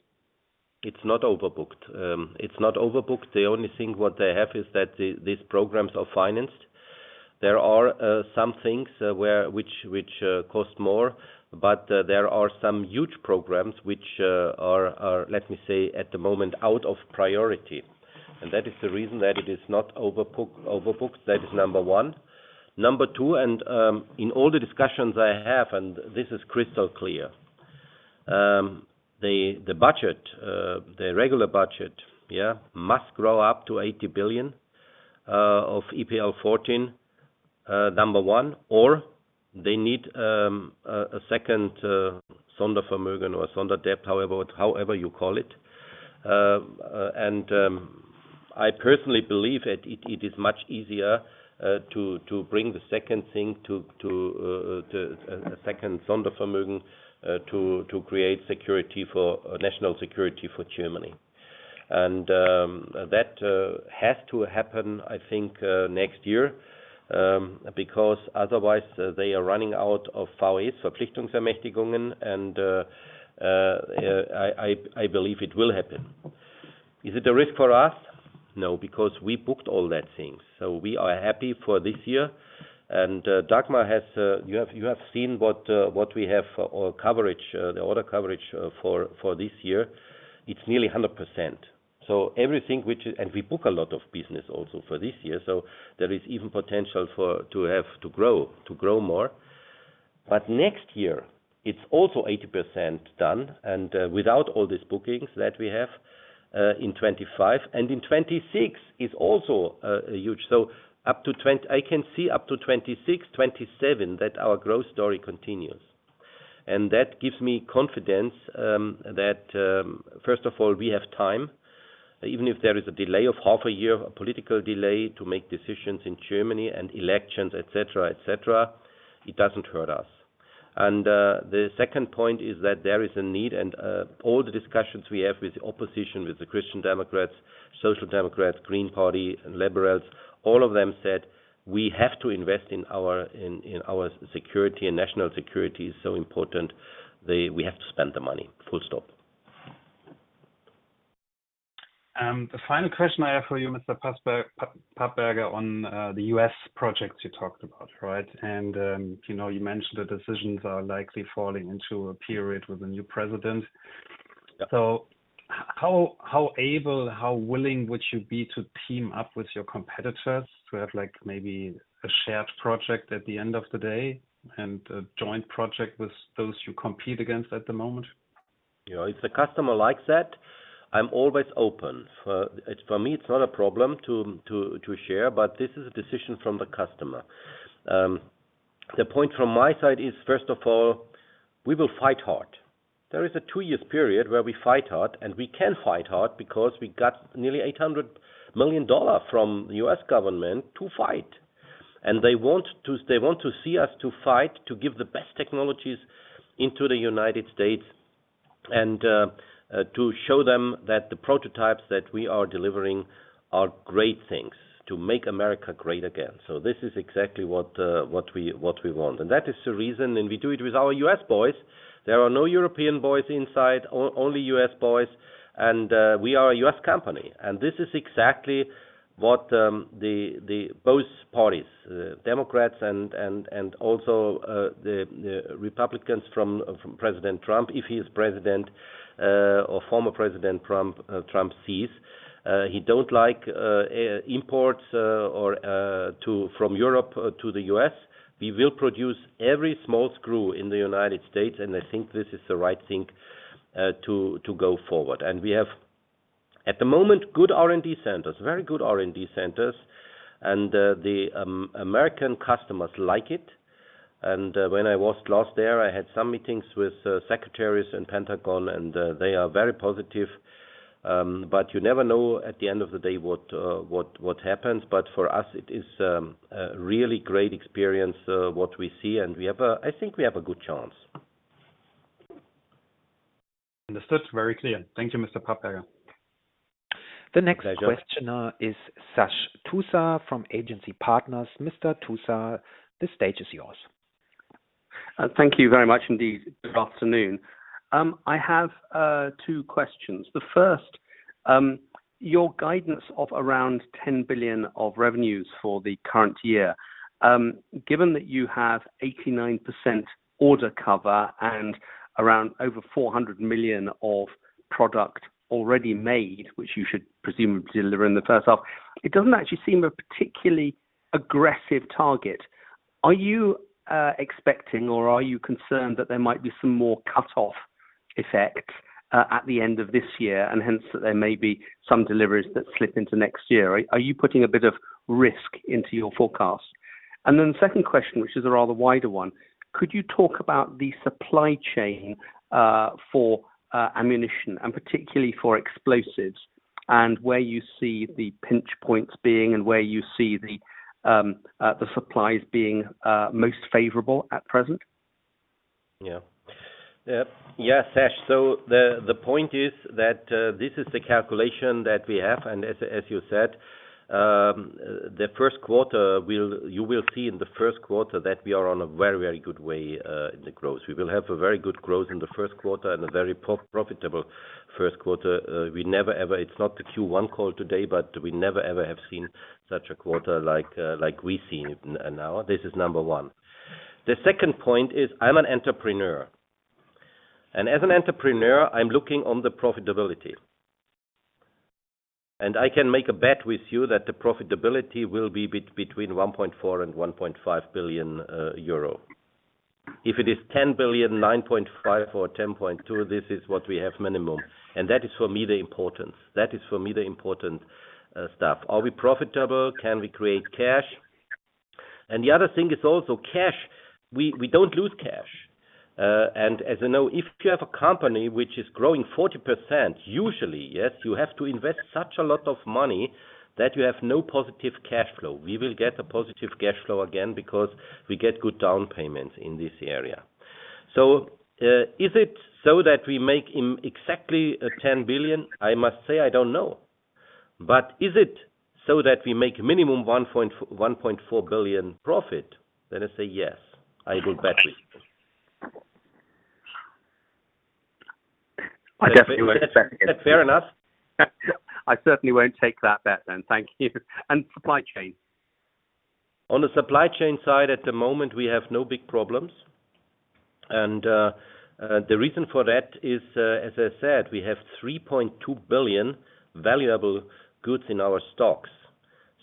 It's not overbooked. It's not overbooked. The only thing what they have is that these programs are financed. There are some things where which cost more, but there are some huge programs which are, let me say, at the moment out of priority. And that is the reason that it is not overbooked. That is number one. Number two, and in all the discussions I have, and this is crystal clear, the budget, the regular budget, yeah, must grow up to 80 billion of EPL 14, number one, or they need a second Sondervermögen or Sondervermögen, however you call it. And I personally believe that it is much easier to bring the second thing to a second Sondervermögen to create security for national security for Germany. That has to happen, I think, next year because otherwise they are running out of VAEs, Verpflichtungsermächtigungen, and I believe it will happen. Is it a risk for us? No, because we booked all that things. So we are happy for this year. And Dagmar has you have seen what we have coverage, the order coverage for this year. It's nearly 100%. So everything which is and we book a lot of business also for this year, so there is even potential for to have to grow, to grow more. But next year, it's also 80% done and without all these bookings that we have in 2025. And in 2026 is also huge. So up to I can see up to 2026, 2027 that our growth story continues. And that gives me confidence that, first of all, we have time. Even if there is a delay of half a year, a political delay to make decisions in Germany and elections, etc., etc., it doesn't hurt us. And the second point is that there is a need, and all the discussions we have with the opposition, with the Christian Democrats, Social Democrats, Green Party, and Liberals, all of them said, "We have to invest in our security and national security is so important. We have to spend the money." Full stop. The final question I have for you, Mr. Papperger, on the U.S. projects you talked about, right? And you know, you mentioned the decisions are likely falling into a period with a new president. So how able, how willing would you be to team up with your competitors to have maybe a shared project at the end of the day and a joint project with those you compete against at the moment? Yeah. If the customer likes that, I'm always open. For me, it's not a problem to share, but this is a decision from the customer. The point from my side is, first of all, we will fight hard. There is a two-year period where we fight hard, and we can fight hard because we got nearly $800 million from the U.S. government to fight. And they want to they want to see us to fight to give the best technologies into the United States and to show them that the prototypes that we are delivering are great things to make America great again. So this is exactly what we what we want. That is the reason, and we do it with our U.S. boys. There are no European boys inside, only U.S. boys. And we are a U.S. company. And this is exactly what the both parties, Democrats and also the Republicans from President Trump, if he is president or former President Trump sees. He don't like imports from Europe to the U.S. We will produce every small screw in the United States, and I think this is the right thing to go forward. And we have, at the moment, good R&D centers, very good R&D centers, and the American customers like it. And when I was last there, I had some meetings with secretaries in Pentagon, and they are very positive. But you never know at the end of the day what happens. But for us, it is a really great experience what we see, and we have a I think we have a good chance. Understood. Very clear. Thank you, Mr. Papperger. The next questioner is Sash Tusa from Agency Partners. Mr. Tusa, the stage is yours. Thank you very much indeed. Good afternoon. I have two questions. The first, your guidance of around 10 billion of revenues for the current year. Given that you have 89% order cover and around over 400 million of product already made, which you should presumably deliver in the first half, it doesn't actually seem a particularly aggressive target. Are you expecting or are you concerned that there might be some more cutoff effect at the end of this year and hence that there may be some deliveries that slip into next year? Are you putting a bit of risk into your forecast? And then the second question, which is a rather wider one, could you talk about the supply chain for ammunition and particularly for explosives and where you see the pinch points being and where you see the supplies being most favorable at present? Yeah, Sash. So the point is that this is the calculation that we have, and as you said, the first quarter will you will see in the first quarter that we are on a very, very good way in the growth. We will have a very good growth in the first quarter and a very profitable first quarter. We never, ever it's not the Q1 call today, but we never, ever have seen such a quarter like we see now. This is number one. The second point is, I'm an entrepreneur. And as an entrepreneur, I'm looking on the profitability. I can make a bet with you that the profitability will be between 1.4 billion and 1.5 billion euro. If it is 10 billion, 9.5 billion or 10.2 billion, this is what we have minimum. And that is for me the importance. That is for me the important stuff. Are we profitable? Can we create cash? And the other thing is also cash. We don't lose cash. And as you know, if you have a company which is growing 40%, usually, yes, you have to invest such a lot of money that you have no positive cash flow. We will get a positive cash flow again because we get good down payments in this area. So is it so that we make exactly 10 billion? I must say I don't know. But is it so that we make minimum 1.4 billion profit? Then I say yes. I will bet with you. I definitely would expect it.. I certainly won't take that bet then. Thank you. And supply chain? On the supply chain side, at the moment, we have no big problems. And the reason for that is, as I said, we have 3.2 billion valuable goods in our stocks.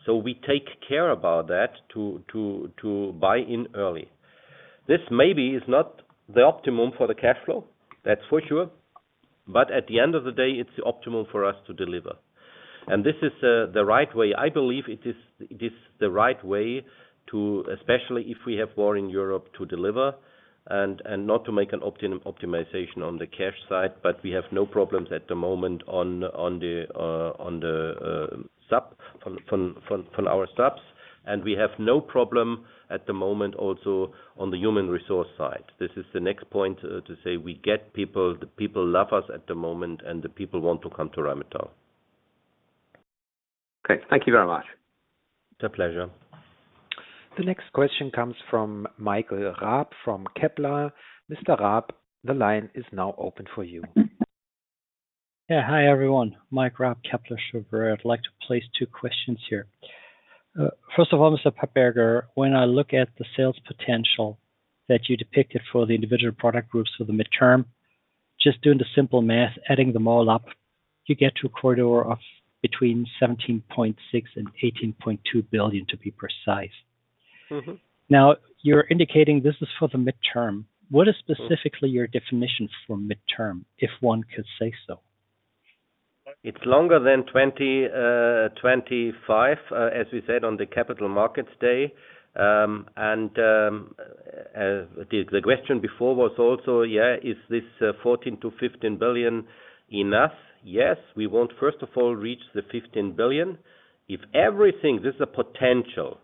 So we take care about that to buy in early. This maybe is not the optimum for the cash flow. That's for sure. But at the end of the day, it's the optimum for us to deliver. And this is the right way. I believe it is the right way to especially if we have war in Europe to deliver and not to make an optimization on the cash side, but we have no problems at the moment on the supply from our subs. And we have no problem at the moment also on the human resource side. This is the next point to say we get people. The people love us at the moment, and the people want to come to Rheinmetall. Okay. Thank you very much. It's a pleasure. The next question comes from Michael Raab from Kepler Cheuvreux. Mr. Raab, the line is now open for you. Yeah. Hi everyone. Mike Raab, Kepler Cheuvreux. I'd like to place two questions here. First of all, Mr. Papperger, when I look at the sales potential that you depicted for the individual product groups for the midterm, just doing the simple math, adding them all up, you get to a corridor of between 17.6 billion and 18.2 billion, to be precise. Now, you're indicating this is for the midterm. What is specifically your definition for midterm, if one could say so? It's longer than 2025, as we said on the Capital Markets Day. And the question before was also, yeah, is this 14 billion-15 billion enough? Yes. We won't, first of all, reach the 15 billion. If everything this is a potential.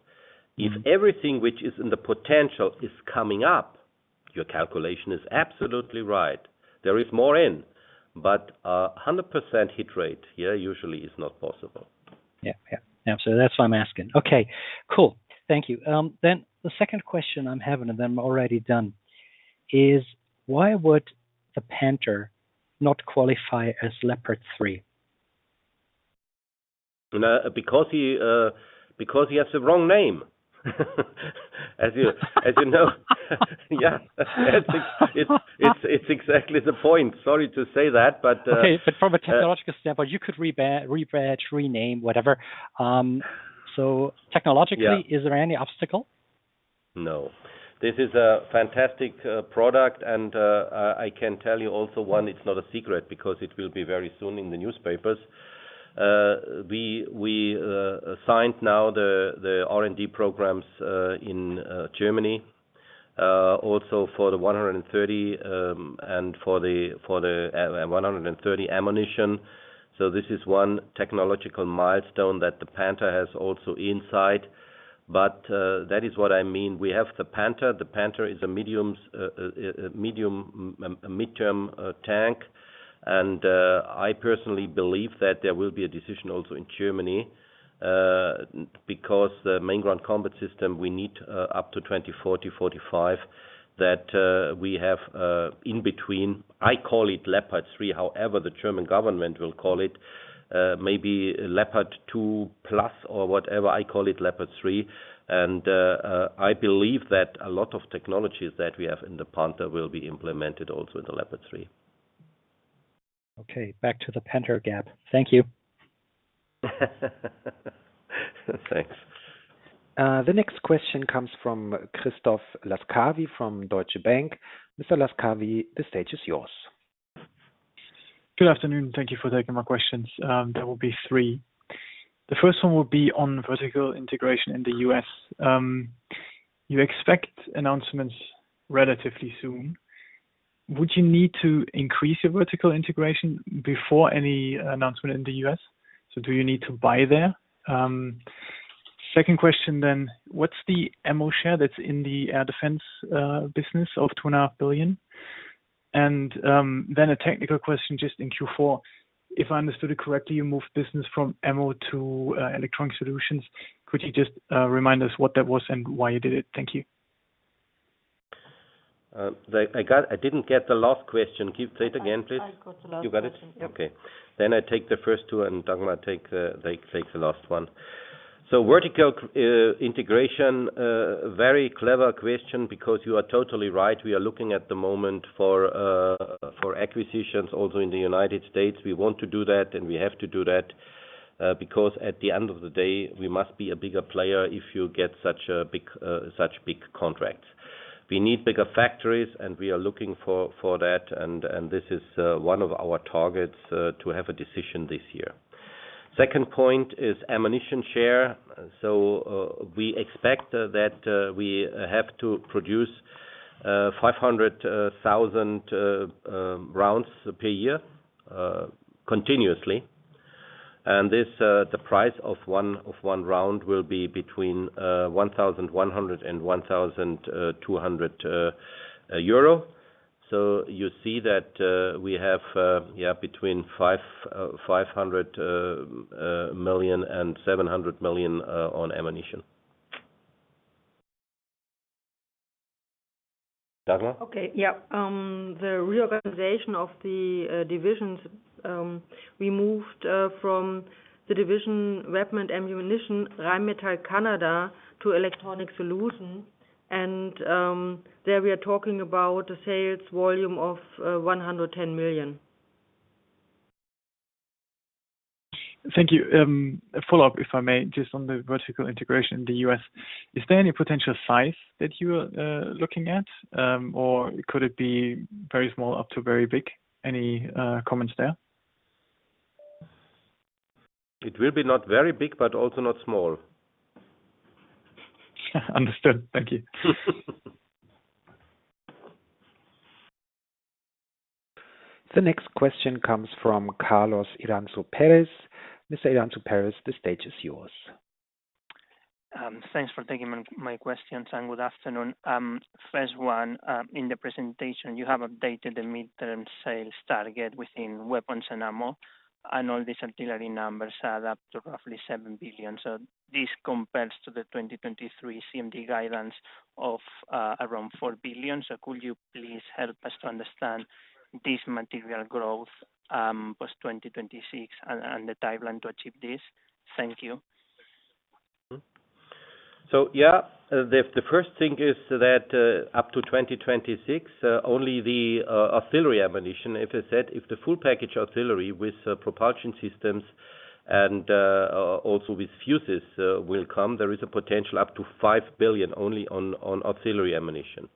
If everything which is in the potential is coming up, your calculation is absolutely right. There is more in. But 100% hit rate, yeah, usually is not possible. Yeah. Yeah. Absolutely. That's why I'm asking. Okay. Cool. Thank you. Then the second question I'm having, and then I'm already done, is why would the Panther not qualify as Leopard 3? Because he has the wrong name, as you know. Yeah. It's exactly the point. Sorry to say that, but. Okay. But from a technological standpoint, you could rebrand, rename, whatever. So technologically, is there any obstacle? No. This is a fantastic product, and I can tell you also one, it's not a secret because it will be very soon in the newspapers. We signed now the R&D programs in Germany also for the 130 and for the 130 ammunition. So this is one technological milestone that the Panther has also inside. But that is what I mean. We have the Panther. The Panther is a medium midterm tank. And I personally believe that there will be a decision also in Germany because the main ground combat system, we need up to 2040, 2045 that we have in between. I call it Leopard 3, however the German government will call it, maybe Leopard 2 plus or whatever. I call it Leopard 3. And I believe that a lot of technologies that we have in the Panther will be implemented also in the Leopard 3. Okay. Back to the Panther gap. Thank you. Thanks. The next question comes from Christoph Laskawi from Deutsche Bank. Mr. Laskawi, the stage is yours. Good afternoon. Thank you for taking my questions. There will be three. The first one will be on vertical integration in the U.S. You expect announcements relatively soon. Would you need to increase your vertical integration before any announcement in the U.S.? So do you need to buy there? Second question then, what's the ammo share that's in the air defense business of 2.5 billion? And then a technical question just in Q4. If I understood it correctly, you moved business from ammo to electronics solutions. Could you just remind us what that was and why you did it? Thank you. I didn't get the last question. Say it again, please. I got the last question. You got it? Okay. Then I take the first two, and Dagmar takes the last one. So vertical integration, very clever question because you are totally right. We are looking at the moment for acquisitions also in the United States. We want to do that, and we have to do that because at the end of the day, we must be a bigger player if you get such big contracts. We need bigger factories, and we are looking for that. And this is one of our targets to have a decision this year. Second point is ammunition share. So we expect that we have to produce 500,000 rounds per year continuously. And the price of one round will be between 1,100 and 1,200 euro. So you see that we have, yeah, between 500 million and 700 million on ammunition. Dagmar? Okay. Yeah. The reorganization of the divisions, we moved from the division weapon and ammunition, Rheinmetall Canada, to electronic solution. And there we are talking about a sales volume of 110 million. Thank you. Follow up, if I may, just on the vertical integration in the U.S. Is there any potential size that you are looking at, or could it be very small up to very big? Any comments there? It will be not very big, but also not small. Understood. Thank you. The next question comes from Carlos Iranzo Peyrelongue. Mr. Iranzo Peyrelongue, the stage is yours. Thanks for taking my questions. And good afternoon. First one, in the presentation, you have updated the midterm sales target within weapons and ammo, and all these artillery numbers are up to roughly 7 billion. So this compares to the 2023 CMD guidance of around 4 billion. So could you please help us to understand this material growth post-2026 and the timeline to achieve this? Thank you. So yeah, the first thing is that up to 2026, only the artillery ammunition, as I said, if the full package artillery with propulsion systems and also with fuses will come, there is a potential up to 5 billion only on artillery ammunition.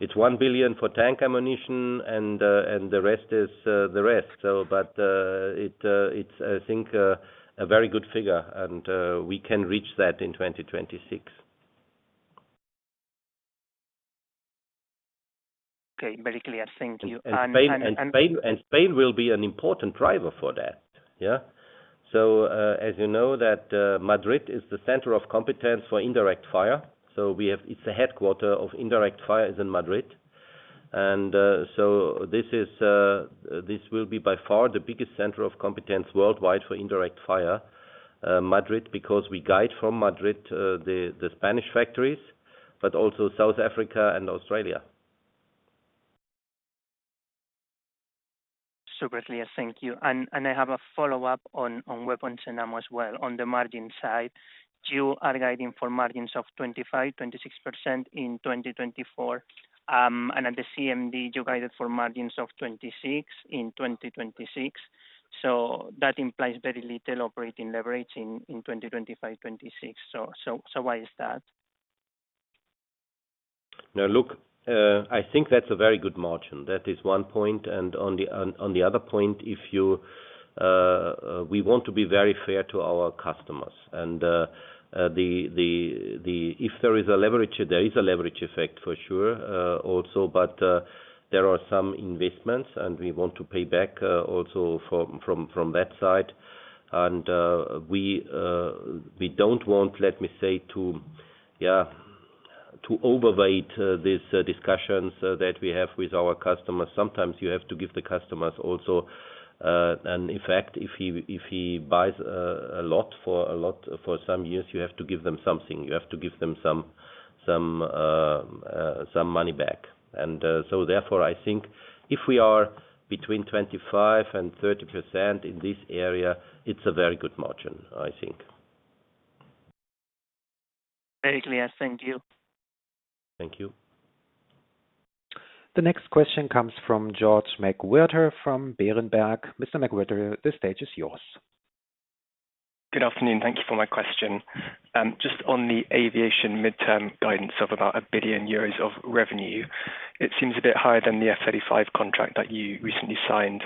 It's 1 billion for tank ammunition, and the rest is the rest. But it's, I think, a very good figure, and we can reach that in 2026. Okay. Very clear. Thank you. Spain will be an important driver for that, yeah? So as you know, Madrid is the center of competence for indirect fire. So it's the headquarters of indirect fire is in Madrid. And so this will be by far the biggest center of competence worldwide for indirect fire, Madrid, because we guide from Madrid the Spanish factories, but also South Africa and Australia. Super clear. Thank you. And I have a follow-up on weapons and ammo as well. On the margin side, you are guiding for margins of 25%-26% in 2024. And at the CMD, you guided for margins of 26% in 2026. So that implies very little operating leverage in 2025-2026. So why is that? Now, look, I think that's a very good margin. That is one point. And on the other point, we want to be very fair to our customers. And if there is a leverage, there is a leverage effect for sure also. But there are some investments, and we want to pay back also from that side. We don't want, let me say, to, yeah, to overweight these discussions that we have with our customers. Sometimes you have to give the customers also an effect. If he buys a lot for some years, you have to give them something. You have to give them some money back. And so therefore, I think if we are between 25% and 30% in this area, it's a very good margin, I think. Very clear. Thank you. Thank you. The next question comes from George McWhirter from Berenberg. Mr. McWhirter, the stage is yours. Good afternoon. Thank you for my question. Just on the aviation midterm guidance of about 1 billion euros of revenue, it seems a bit higher than the F-35 contract that you recently signed.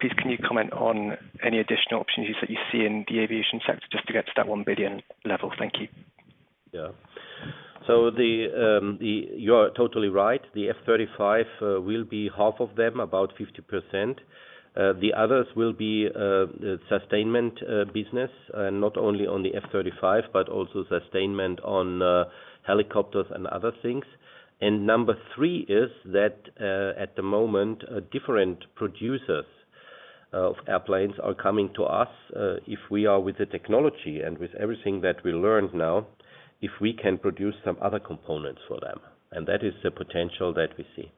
Please, can you comment on any additional opportunities that you see in the aviation sector just to get to that 1 billion level? Thank you. Yeah. So you are totally right. The F-35 will be half of them, about 50%. The others will be sustainment business, not only on the F-35, but also sustainment on helicopters and other things. And number three is that at the moment, different producers of airplanes are coming to us if we are with the technology and with everything that we learned now, if we can produce some other components for them. And that is the potential that we see.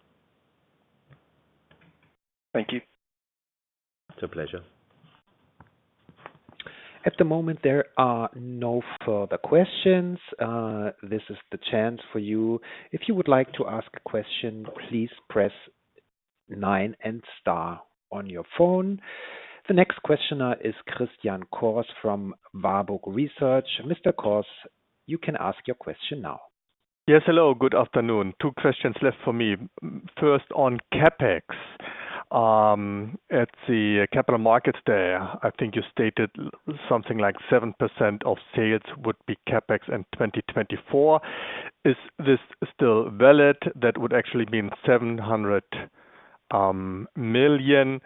Thank you. It's a pleasure. At the moment, there are no further questions. This is the chance for you. If you would like to ask a question, please press 9 and star on your phone. The next questioner is Christian Cohrs from Warburg Research. Mr. Cohrs, you can ask your question now. Yes. Hello. Good afternoon. Two questions left for me. First, on CapEx, at the Capital Markets Day, I think you stated something like 7% of sales would be CapEx in 2024. Is this still valid? That would actually mean 700 million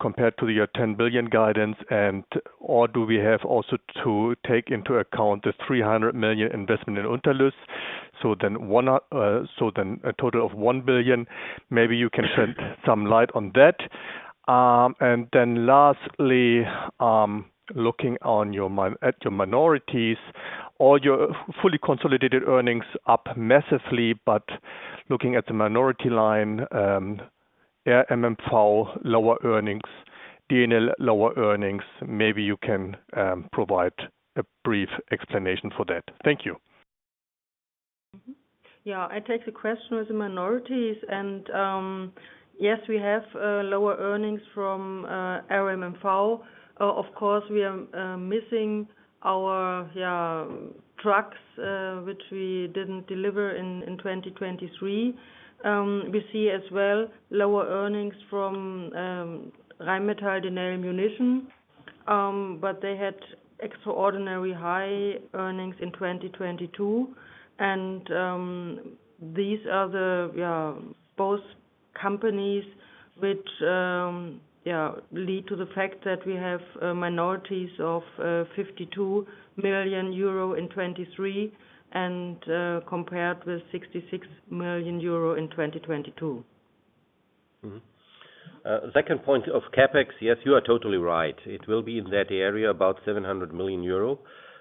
compared to your 10 billion guidance. And do we have also to take into account the 300 million investment in Unterlüß? So then a total of 1 billion. Maybe you can shed some light on that. And then lastly, looking at your minorities, all your fully consolidated earnings up massively, but looking at the minority line, RMMV, lower earnings, RDM, lower earnings, maybe you can provide a brief explanation for that. Thank you. Yeah. I take the question with the minorities. And yes, we have lower earnings from RMMV. Of course, we are missing our trucks, which we didn't deliver in 2023. We see as well lower earnings from Rheinmetall Denel Munition, but they had extraordinary high earnings in 2022. And these are the both companies which lead to the fact that we have minorities of 52 million euro in 2023 compared with 66 million euro in 2022. Second point of CapEx, yes, you are totally right. It will be in that area, about 700 million euro.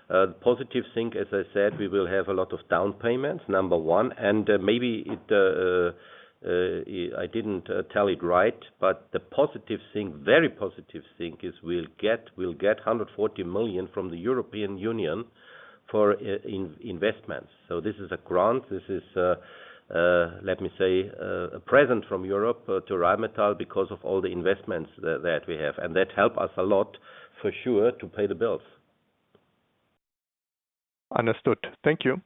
The positive thing, as I said, we will have a lot of down payments, number one. And maybe I didn't tell it right, but the positive thing, very positive thing is we'll get 140 million from the European Union for investments. So this is a grant. This is, let me say, a present from Europe to Rheinmetall because of all the investments that we have. And that helps us a lot for sure to pay the bills. Understood. Thank you.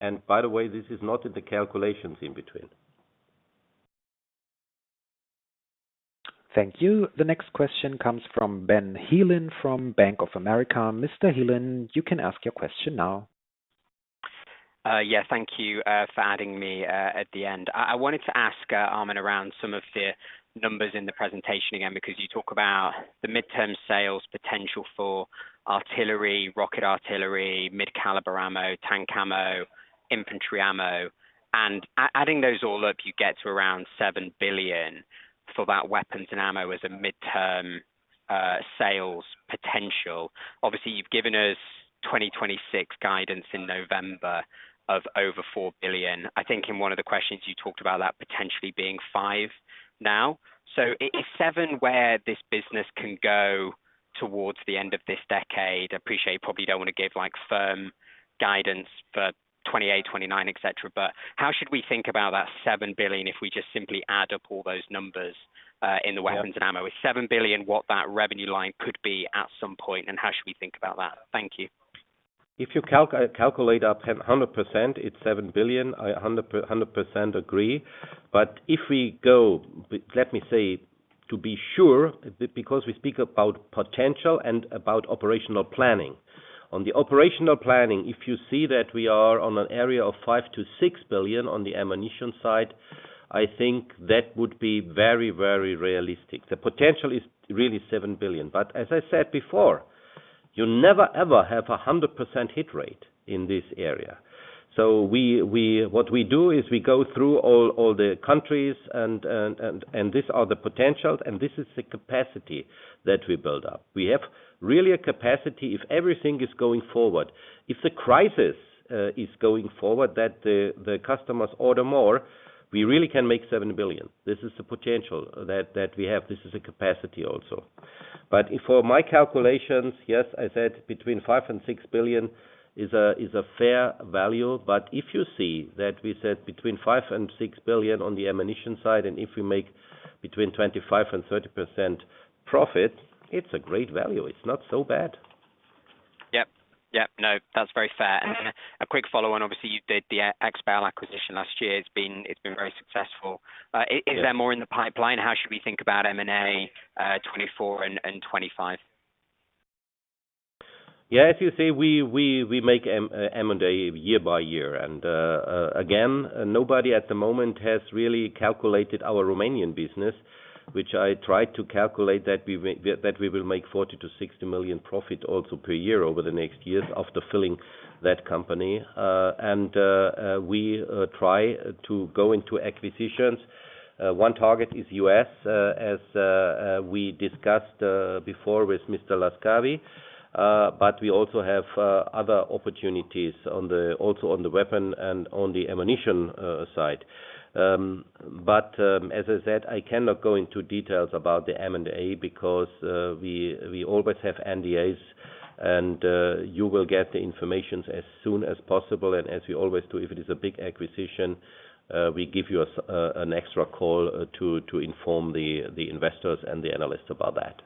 And by the way, this is not in the calculations in between. Thank you. The next question comes from Ben Heelan from Bank of America. Mr. Heelan, you can ask your question now. Yeah. Thank you for adding me at the end. I wanted to ask Armin around some of the numbers in the presentation again because you talk about the midterm sales potential for artillery, rocket artillery, mid-caliber ammo, tank ammo, infantry ammo. And adding those all up, you get to around 7 billion for that weapons and ammo as a midterm sales potential. Obviously, you've given us 2026 guidance in November of over 4 billion. I think in one of the questions, you talked about that potentially being 5 billion now. So, if 7, where this business can go towards the end of this decade, I appreciate you probably don't want to give firm guidance for 2028, 2029, etc. But how should we think about that 7 billion if we just simply add up all those numbers in the weapons and ammo? With 7 billion, what that revenue line could be at some point, and how should we think about that? Thank you. If you calculate up 100%, it's 7 billion. I 100% agree. But if we go, let me say, to be sure, because we speak about potential and about operational planning, on the operational planning, if you see that we are on an area of 5 billion-6 billion on the ammunition side, I think that would be very, very realistic. The potential is really 7 billion. But as I said before, you never, ever have a 100% hit rate in this area. So what we do is we go through all the countries, and these are the potentials, and this is the capacity that we build up. We have really a capacity if everything is going forward. If the crisis is going forward that the customers order more, we really can make 7 billion. This is the potential that we have. This is a capacity also. But for my calculations, yes, I said between 5 billion and 6 billion is a fair value. But if you see that we said between 5 billion and 6 billion on the ammunition side, and if we make between 25% and 30% profit, it's a great value. It's not so bad. Yep. Yep. No, that's very fair. And then a quick follow-on. Obviously, you did the Expal acquisition last year. It's been very successful. Is there more in the pipeline? How should we think about M&A 2024 and 2025? Yeah. As you say, we make M&A year by year. And again, nobody at the moment has really calculated our Romanian business, which I tried to calculate that we will make 40 million-60 million profit also per year over the next years after filling that company. And we try to go into acquisitions. One target is U.S., as we discussed before with Mr. Laskawi. But we also have other opportunities also on the weapon and on the ammunition side. But as I said, I cannot go into details about the M&A because we always have NDAs. And you will get the information as soon as possible. As we always do, if it is a big acquisition, we give you an extra call to inform the investors and the analysts about that.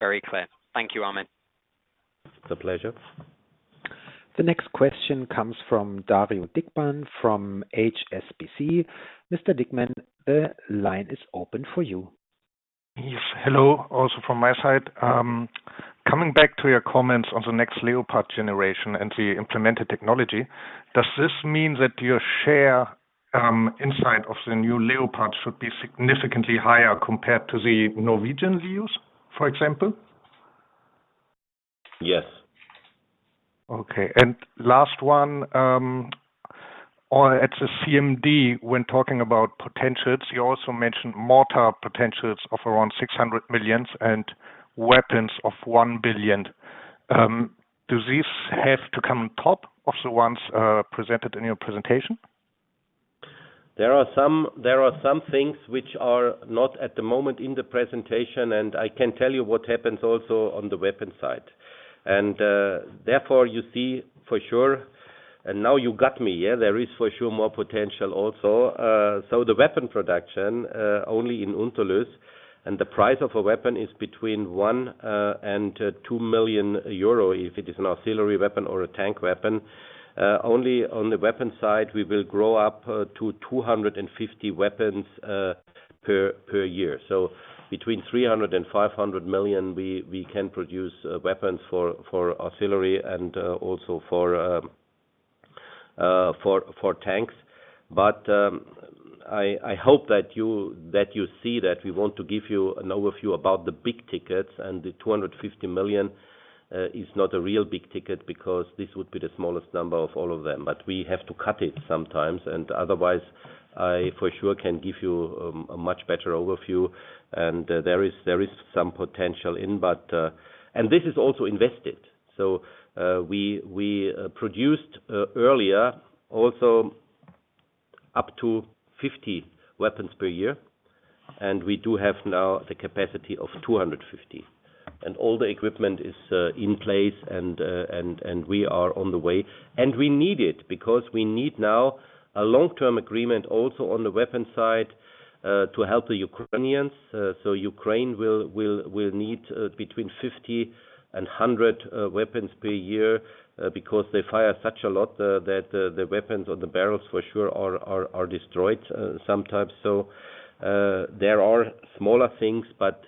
Very clear. Thank you, Armin. It's a pleasure. The next question comes from Dario Dickmann from HSBC. Mr. Dickmann, the line is open for you. Yes. Hello also from my side. Coming back to your comments on the next Leopard generation and the implemented technology, does this mean that your share inside of the new Leopard should be significantly higher compared to the Norwegian Leos, for example? Yes. Okay. Last one, at the CMD, when talking about potentials, you also mentioned mortar potentials of around 600 million and weapons of 1 billion. Do these have to come on top of the ones presented in your presentation? There are some things which are not at the moment in the presentation. And I can tell you what happens also on the weapon side. And therefore, you see for sure and now you got me, yeah? There is for sure more potential also. So the weapon production only in Unterlüß, and the price of a weapon is between 1 million and 2 million euro if it is an artillery weapon or a tank weapon. Only on the weapon side, we will grow up to 250 weapons per year. So between 300 million and 500 million, we can produce weapons for artillery and also for tanks. But I hope that you see that we want to give you an overview about the big tickets. And the 250 million is not a real big ticket because this would be the smallest number of all of them. But we have to cut it sometimes. And otherwise, I for sure can give you a much better overview. There is some potential in. This is also invested. So we produced earlier also up to 50 weapons per year. We do have now the capacity of 250. All the equipment is in place. We are on the way. We need it because we need now a long-term agreement also on the weapon side to help the Ukrainians. So Ukraine will need between 50-100 weapons per year because they fire such a lot that the weapons or the barrels for sure are destroyed sometimes. So there are smaller things. But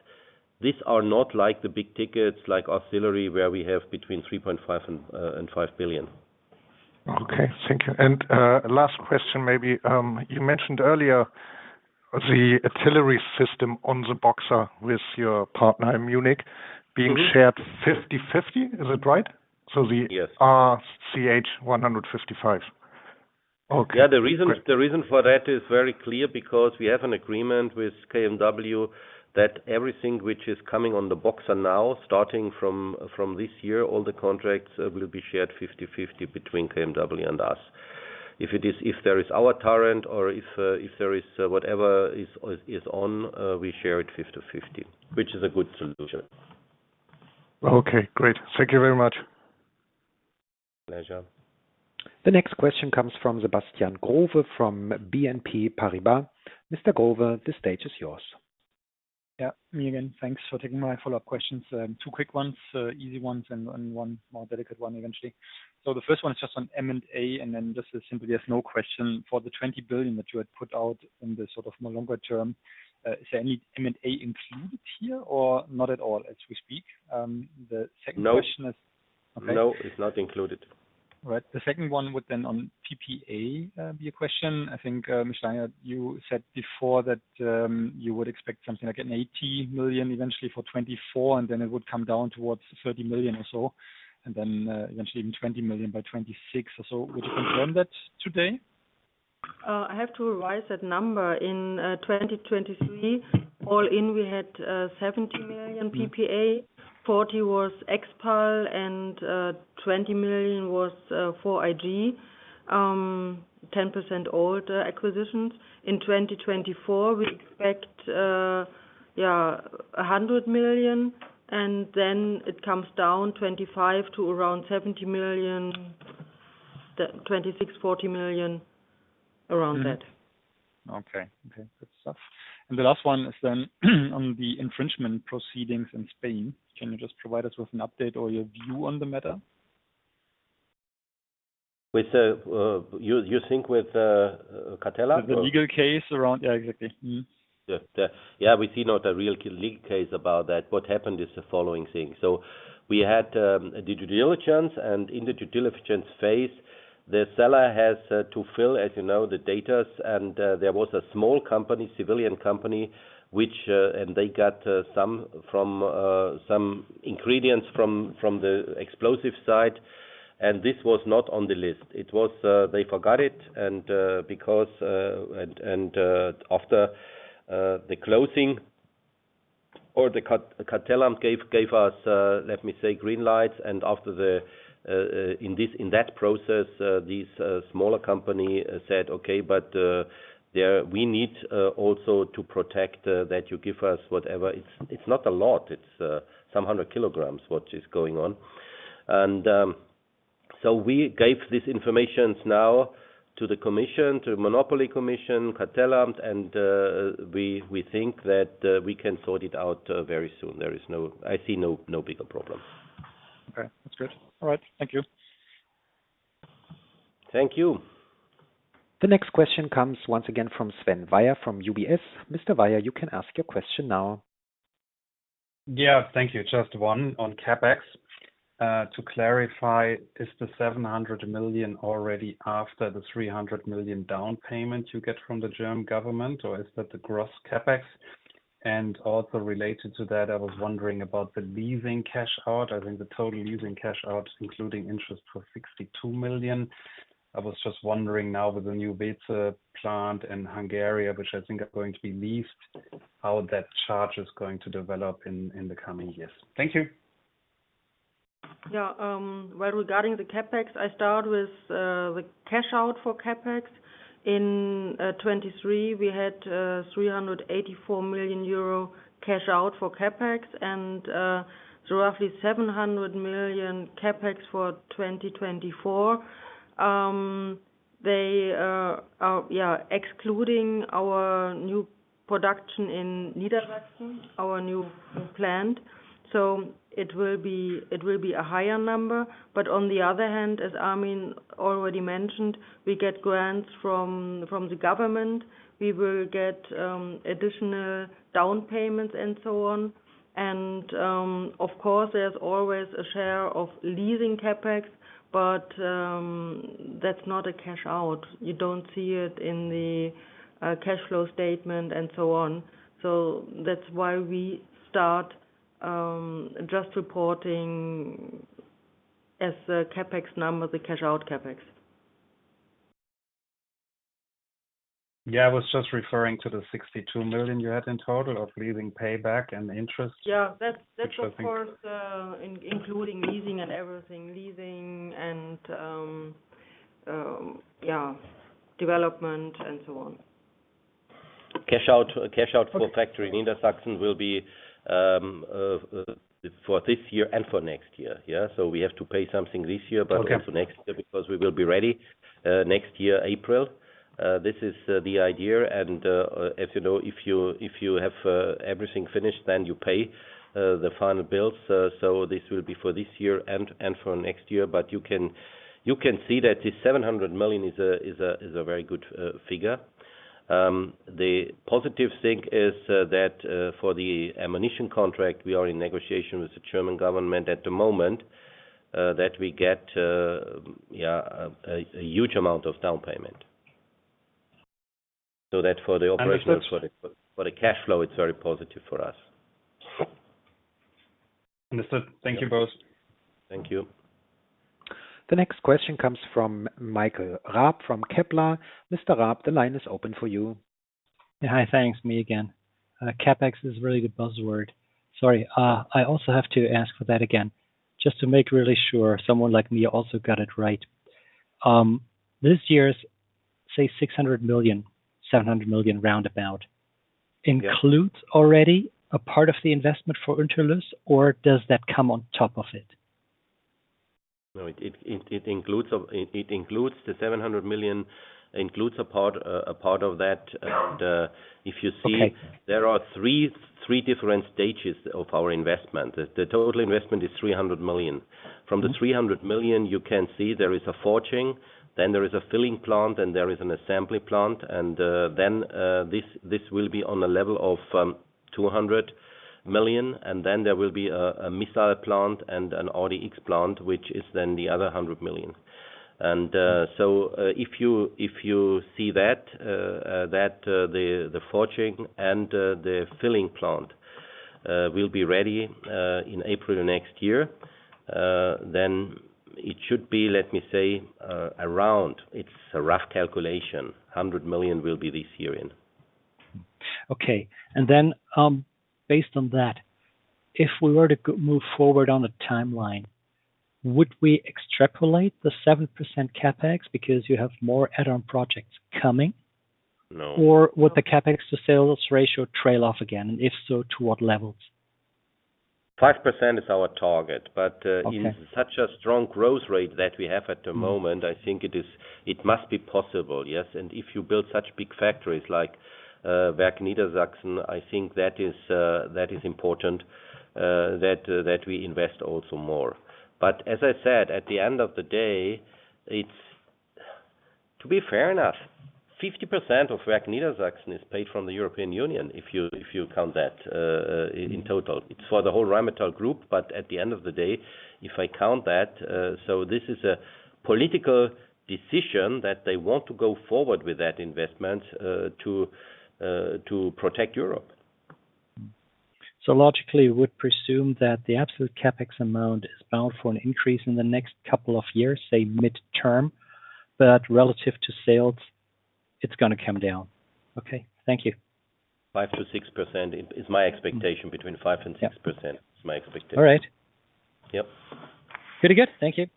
these are not like the big tickets, like artillery, where we have between 3.5 billion-5 billion. Okay. Thank you. Last question maybe. You mentioned earlier the artillery system on the Boxer with your partner in Munich being shared 50/50. Is it right? So the RCH 155. The reason for that is very clear because we have an agreement with KMW that everything which is coming on the Boxer now, starting from this year, all the contracts will be shared 50/50 between KMW and us. If there is our turret or if there is whatever is on, we share it 50/50, which is a good solution. Okay. Great. Thank you very much. Pleasure. The next question comes from Sebastian Growe from BNP Paribas. Mr. Growe, the stage is yours. Yeah. Me again. Thanks for taking my follow-up questions. Two quick ones, easy ones, and one more delicate one eventually. So the first one is just on M&A. And then just simply, there's no question. For the 20 billion that you had put out in the sort of more longer term, is any M&A included here or not at all as we speak? The second question is okay. No. No. It's not included. Right. The second one would then on PPA be a question. I think, Steinert, you said before that you would expect something like 80 million eventually for 2024, and then it would come down towards 30 million or so, and then eventually even 20 million by 2026 or so. Would you confirm that today? I have to revise that number. In 2023, all in, we had 70 million PPA. 40 million was Expal, and 20 million was for IG, 10% old acquisitions. In 2024, we expect, yeah, 100 million. And then it comes down, 2025 to around 70 million, 2026, 40 million, around that. Okay. Good stuff. And the last one is then on the infringement proceedings in Spain. Can you just provide us with an update or your view on the matter? You think with cartel? The legal case around yeah, exactly. Yeah. We see not a real legal case about that. What happened is the following thing. So we had due diligence. And in the due diligence phase, the seller has to fill, as you know, the data. And there was a small company, civilian company, and they got some ingredients from the explosive side. And this was not on the list. They forgot it. And after the closing, the Kartellamt gave us, let me say, green lights. And after that, in that process, this smaller company said, "Okay. But we need also to protect that you give us whatever." It's not a lot. It's some 100 kilograms what is going on. And so we gave this information now to the commission, to the Monopoly Commission, Kartellamt. And we think that we can sort it out very soon. I see no bigger problems. Okay. That's good. All right. Thank you. Thank you. The next question comes once again from Sven Weier from UBS. Mr. Weier, you can ask your question now. Yeah. Thank you. Just one on CapEx. To clarify, is the 700 million already after the 300 million down payment you get from the German government, or is that the gross CapEx? And also related to that, I was wondering about the leasing cash out. I think the total leasing cash out, including interest, for 62 million. I was just wondering now with the new Weeze plant in Hungary, which I think are going to be leased, how that charge is going to develop in the coming years. Thank you. Yeah. Well, regarding the CapEx, I start with the cash out for CapEx. In 2023, we had 384 million euro cash out for CapEx and roughly 700 million CapEx for 2024. They are, yeah, excluding our new production in Niedersachsen, our new plant. So it will be a higher number. But on the other hand, as Armin already mentioned, we get grants from the government. We will get additional down payments and so on. And of course, there's always a share of leasing CapEx. But that's not a cash out. You don't see it in the cash flow statement and so on. So that's why we start just reporting as the CapEx number, the cash out CapEx. Yeah. I was just referring to the 62 million you had in total of leasing payback and interest. Yeah. That's, of course, including leasing and everything, leasing and, yeah, development and so on. Cash out for factory in Niedersachsen will be for this year and for next year, yeah? So we have to pay something this year but not to next year because we will be ready next year, April. This is the idea. And as you know, if you have everything finished, then you pay the final bills. So this will be for this year and for next year. But you can see that this 700 million is a very good figure. The positive thing is that for the ammunition contract, we are in negotiation with the German government at the moment that we get, yeah, a huge amount of down payment so that for the operational for the cash flow, it's very positive for us. Understood. Thank you both. Thank you. The next question comes from Michael Raab from Kepler. Mr. Raab, the line is open for you. Yeah. Hi. Thanks. Me again. CapEx is a really good buzzword. Sorry. I also have to ask for that again just to make really sure someone like me also got it right. This year's, say, 600 million, 700 million roundabout includes already a part of the investment for Unterlüß, or does that come on top of it? No. It includes the 700 million, includes a part of that. And if you see, there are three different stages of our investment. The total investment is 300 million. From the 300 million, you can see there is a forging. Then there is a filling plant. And there is an assembly plant. And then this will be on a level of 200 million. And then there will be a missile plant and an RDX plant, which is then the other 100 million. And so if you see that, the forging and the filling plant will be ready in April next year, then it should be, let me say, around it's a rough calculation. 100 million will be this year in. Okay. And then based on that, if we were to move forward on the timeline, would we extrapolate the 7% CapEx because you have more add-on projects coming? Or would the CapEx-to-sales ratio trail off again? And if so, to what levels? 5% is our target. But in such a strong growth rate that we have at the moment, I think it must be possible, yes? And if you build such big factories like Werk Niedersachsen, I think that is important that we invest also more. But as I said, at the end of the day, to be fair enough, 50% of Werk Niedersachsen is paid from the European Union if you count that in total. It's for the whole Rheinmetall Group. But at the end of the day, if I count that so this is a political decision that they want to go forward with that investment to protect Europe. So logically, we would presume that the absolute CapEx amount is bound for an increase in the next couple of years, say, mid-term. But relative to sales, it's going to come down. Okay. Thank you. 5%-6% is my expectation. Between 5% and 6% is my expectation. All right. Yep. Pretty good. Thank you.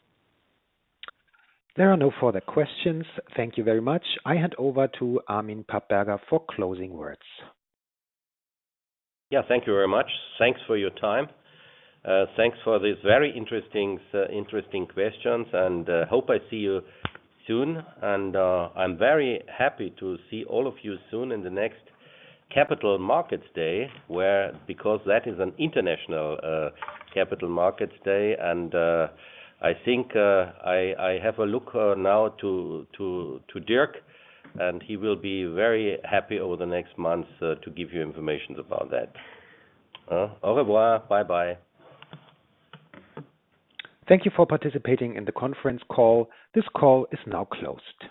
There are no further questions. Thank you very much. I hand over to Armin Papperger for closing words. Yeah. Thank you very much. Thanks for your time. Thanks for these very interesting questions. Hope I see you soon. I'm very happy to see all of you soon in the next Capital Markets Day because that is an international Capital Markets Day. I think I have a look now to Dirk. He will be very happy over the next months to give you information about that. Au revoir. Bye-bye. Thank you for participating in the conference call. This call is now closed.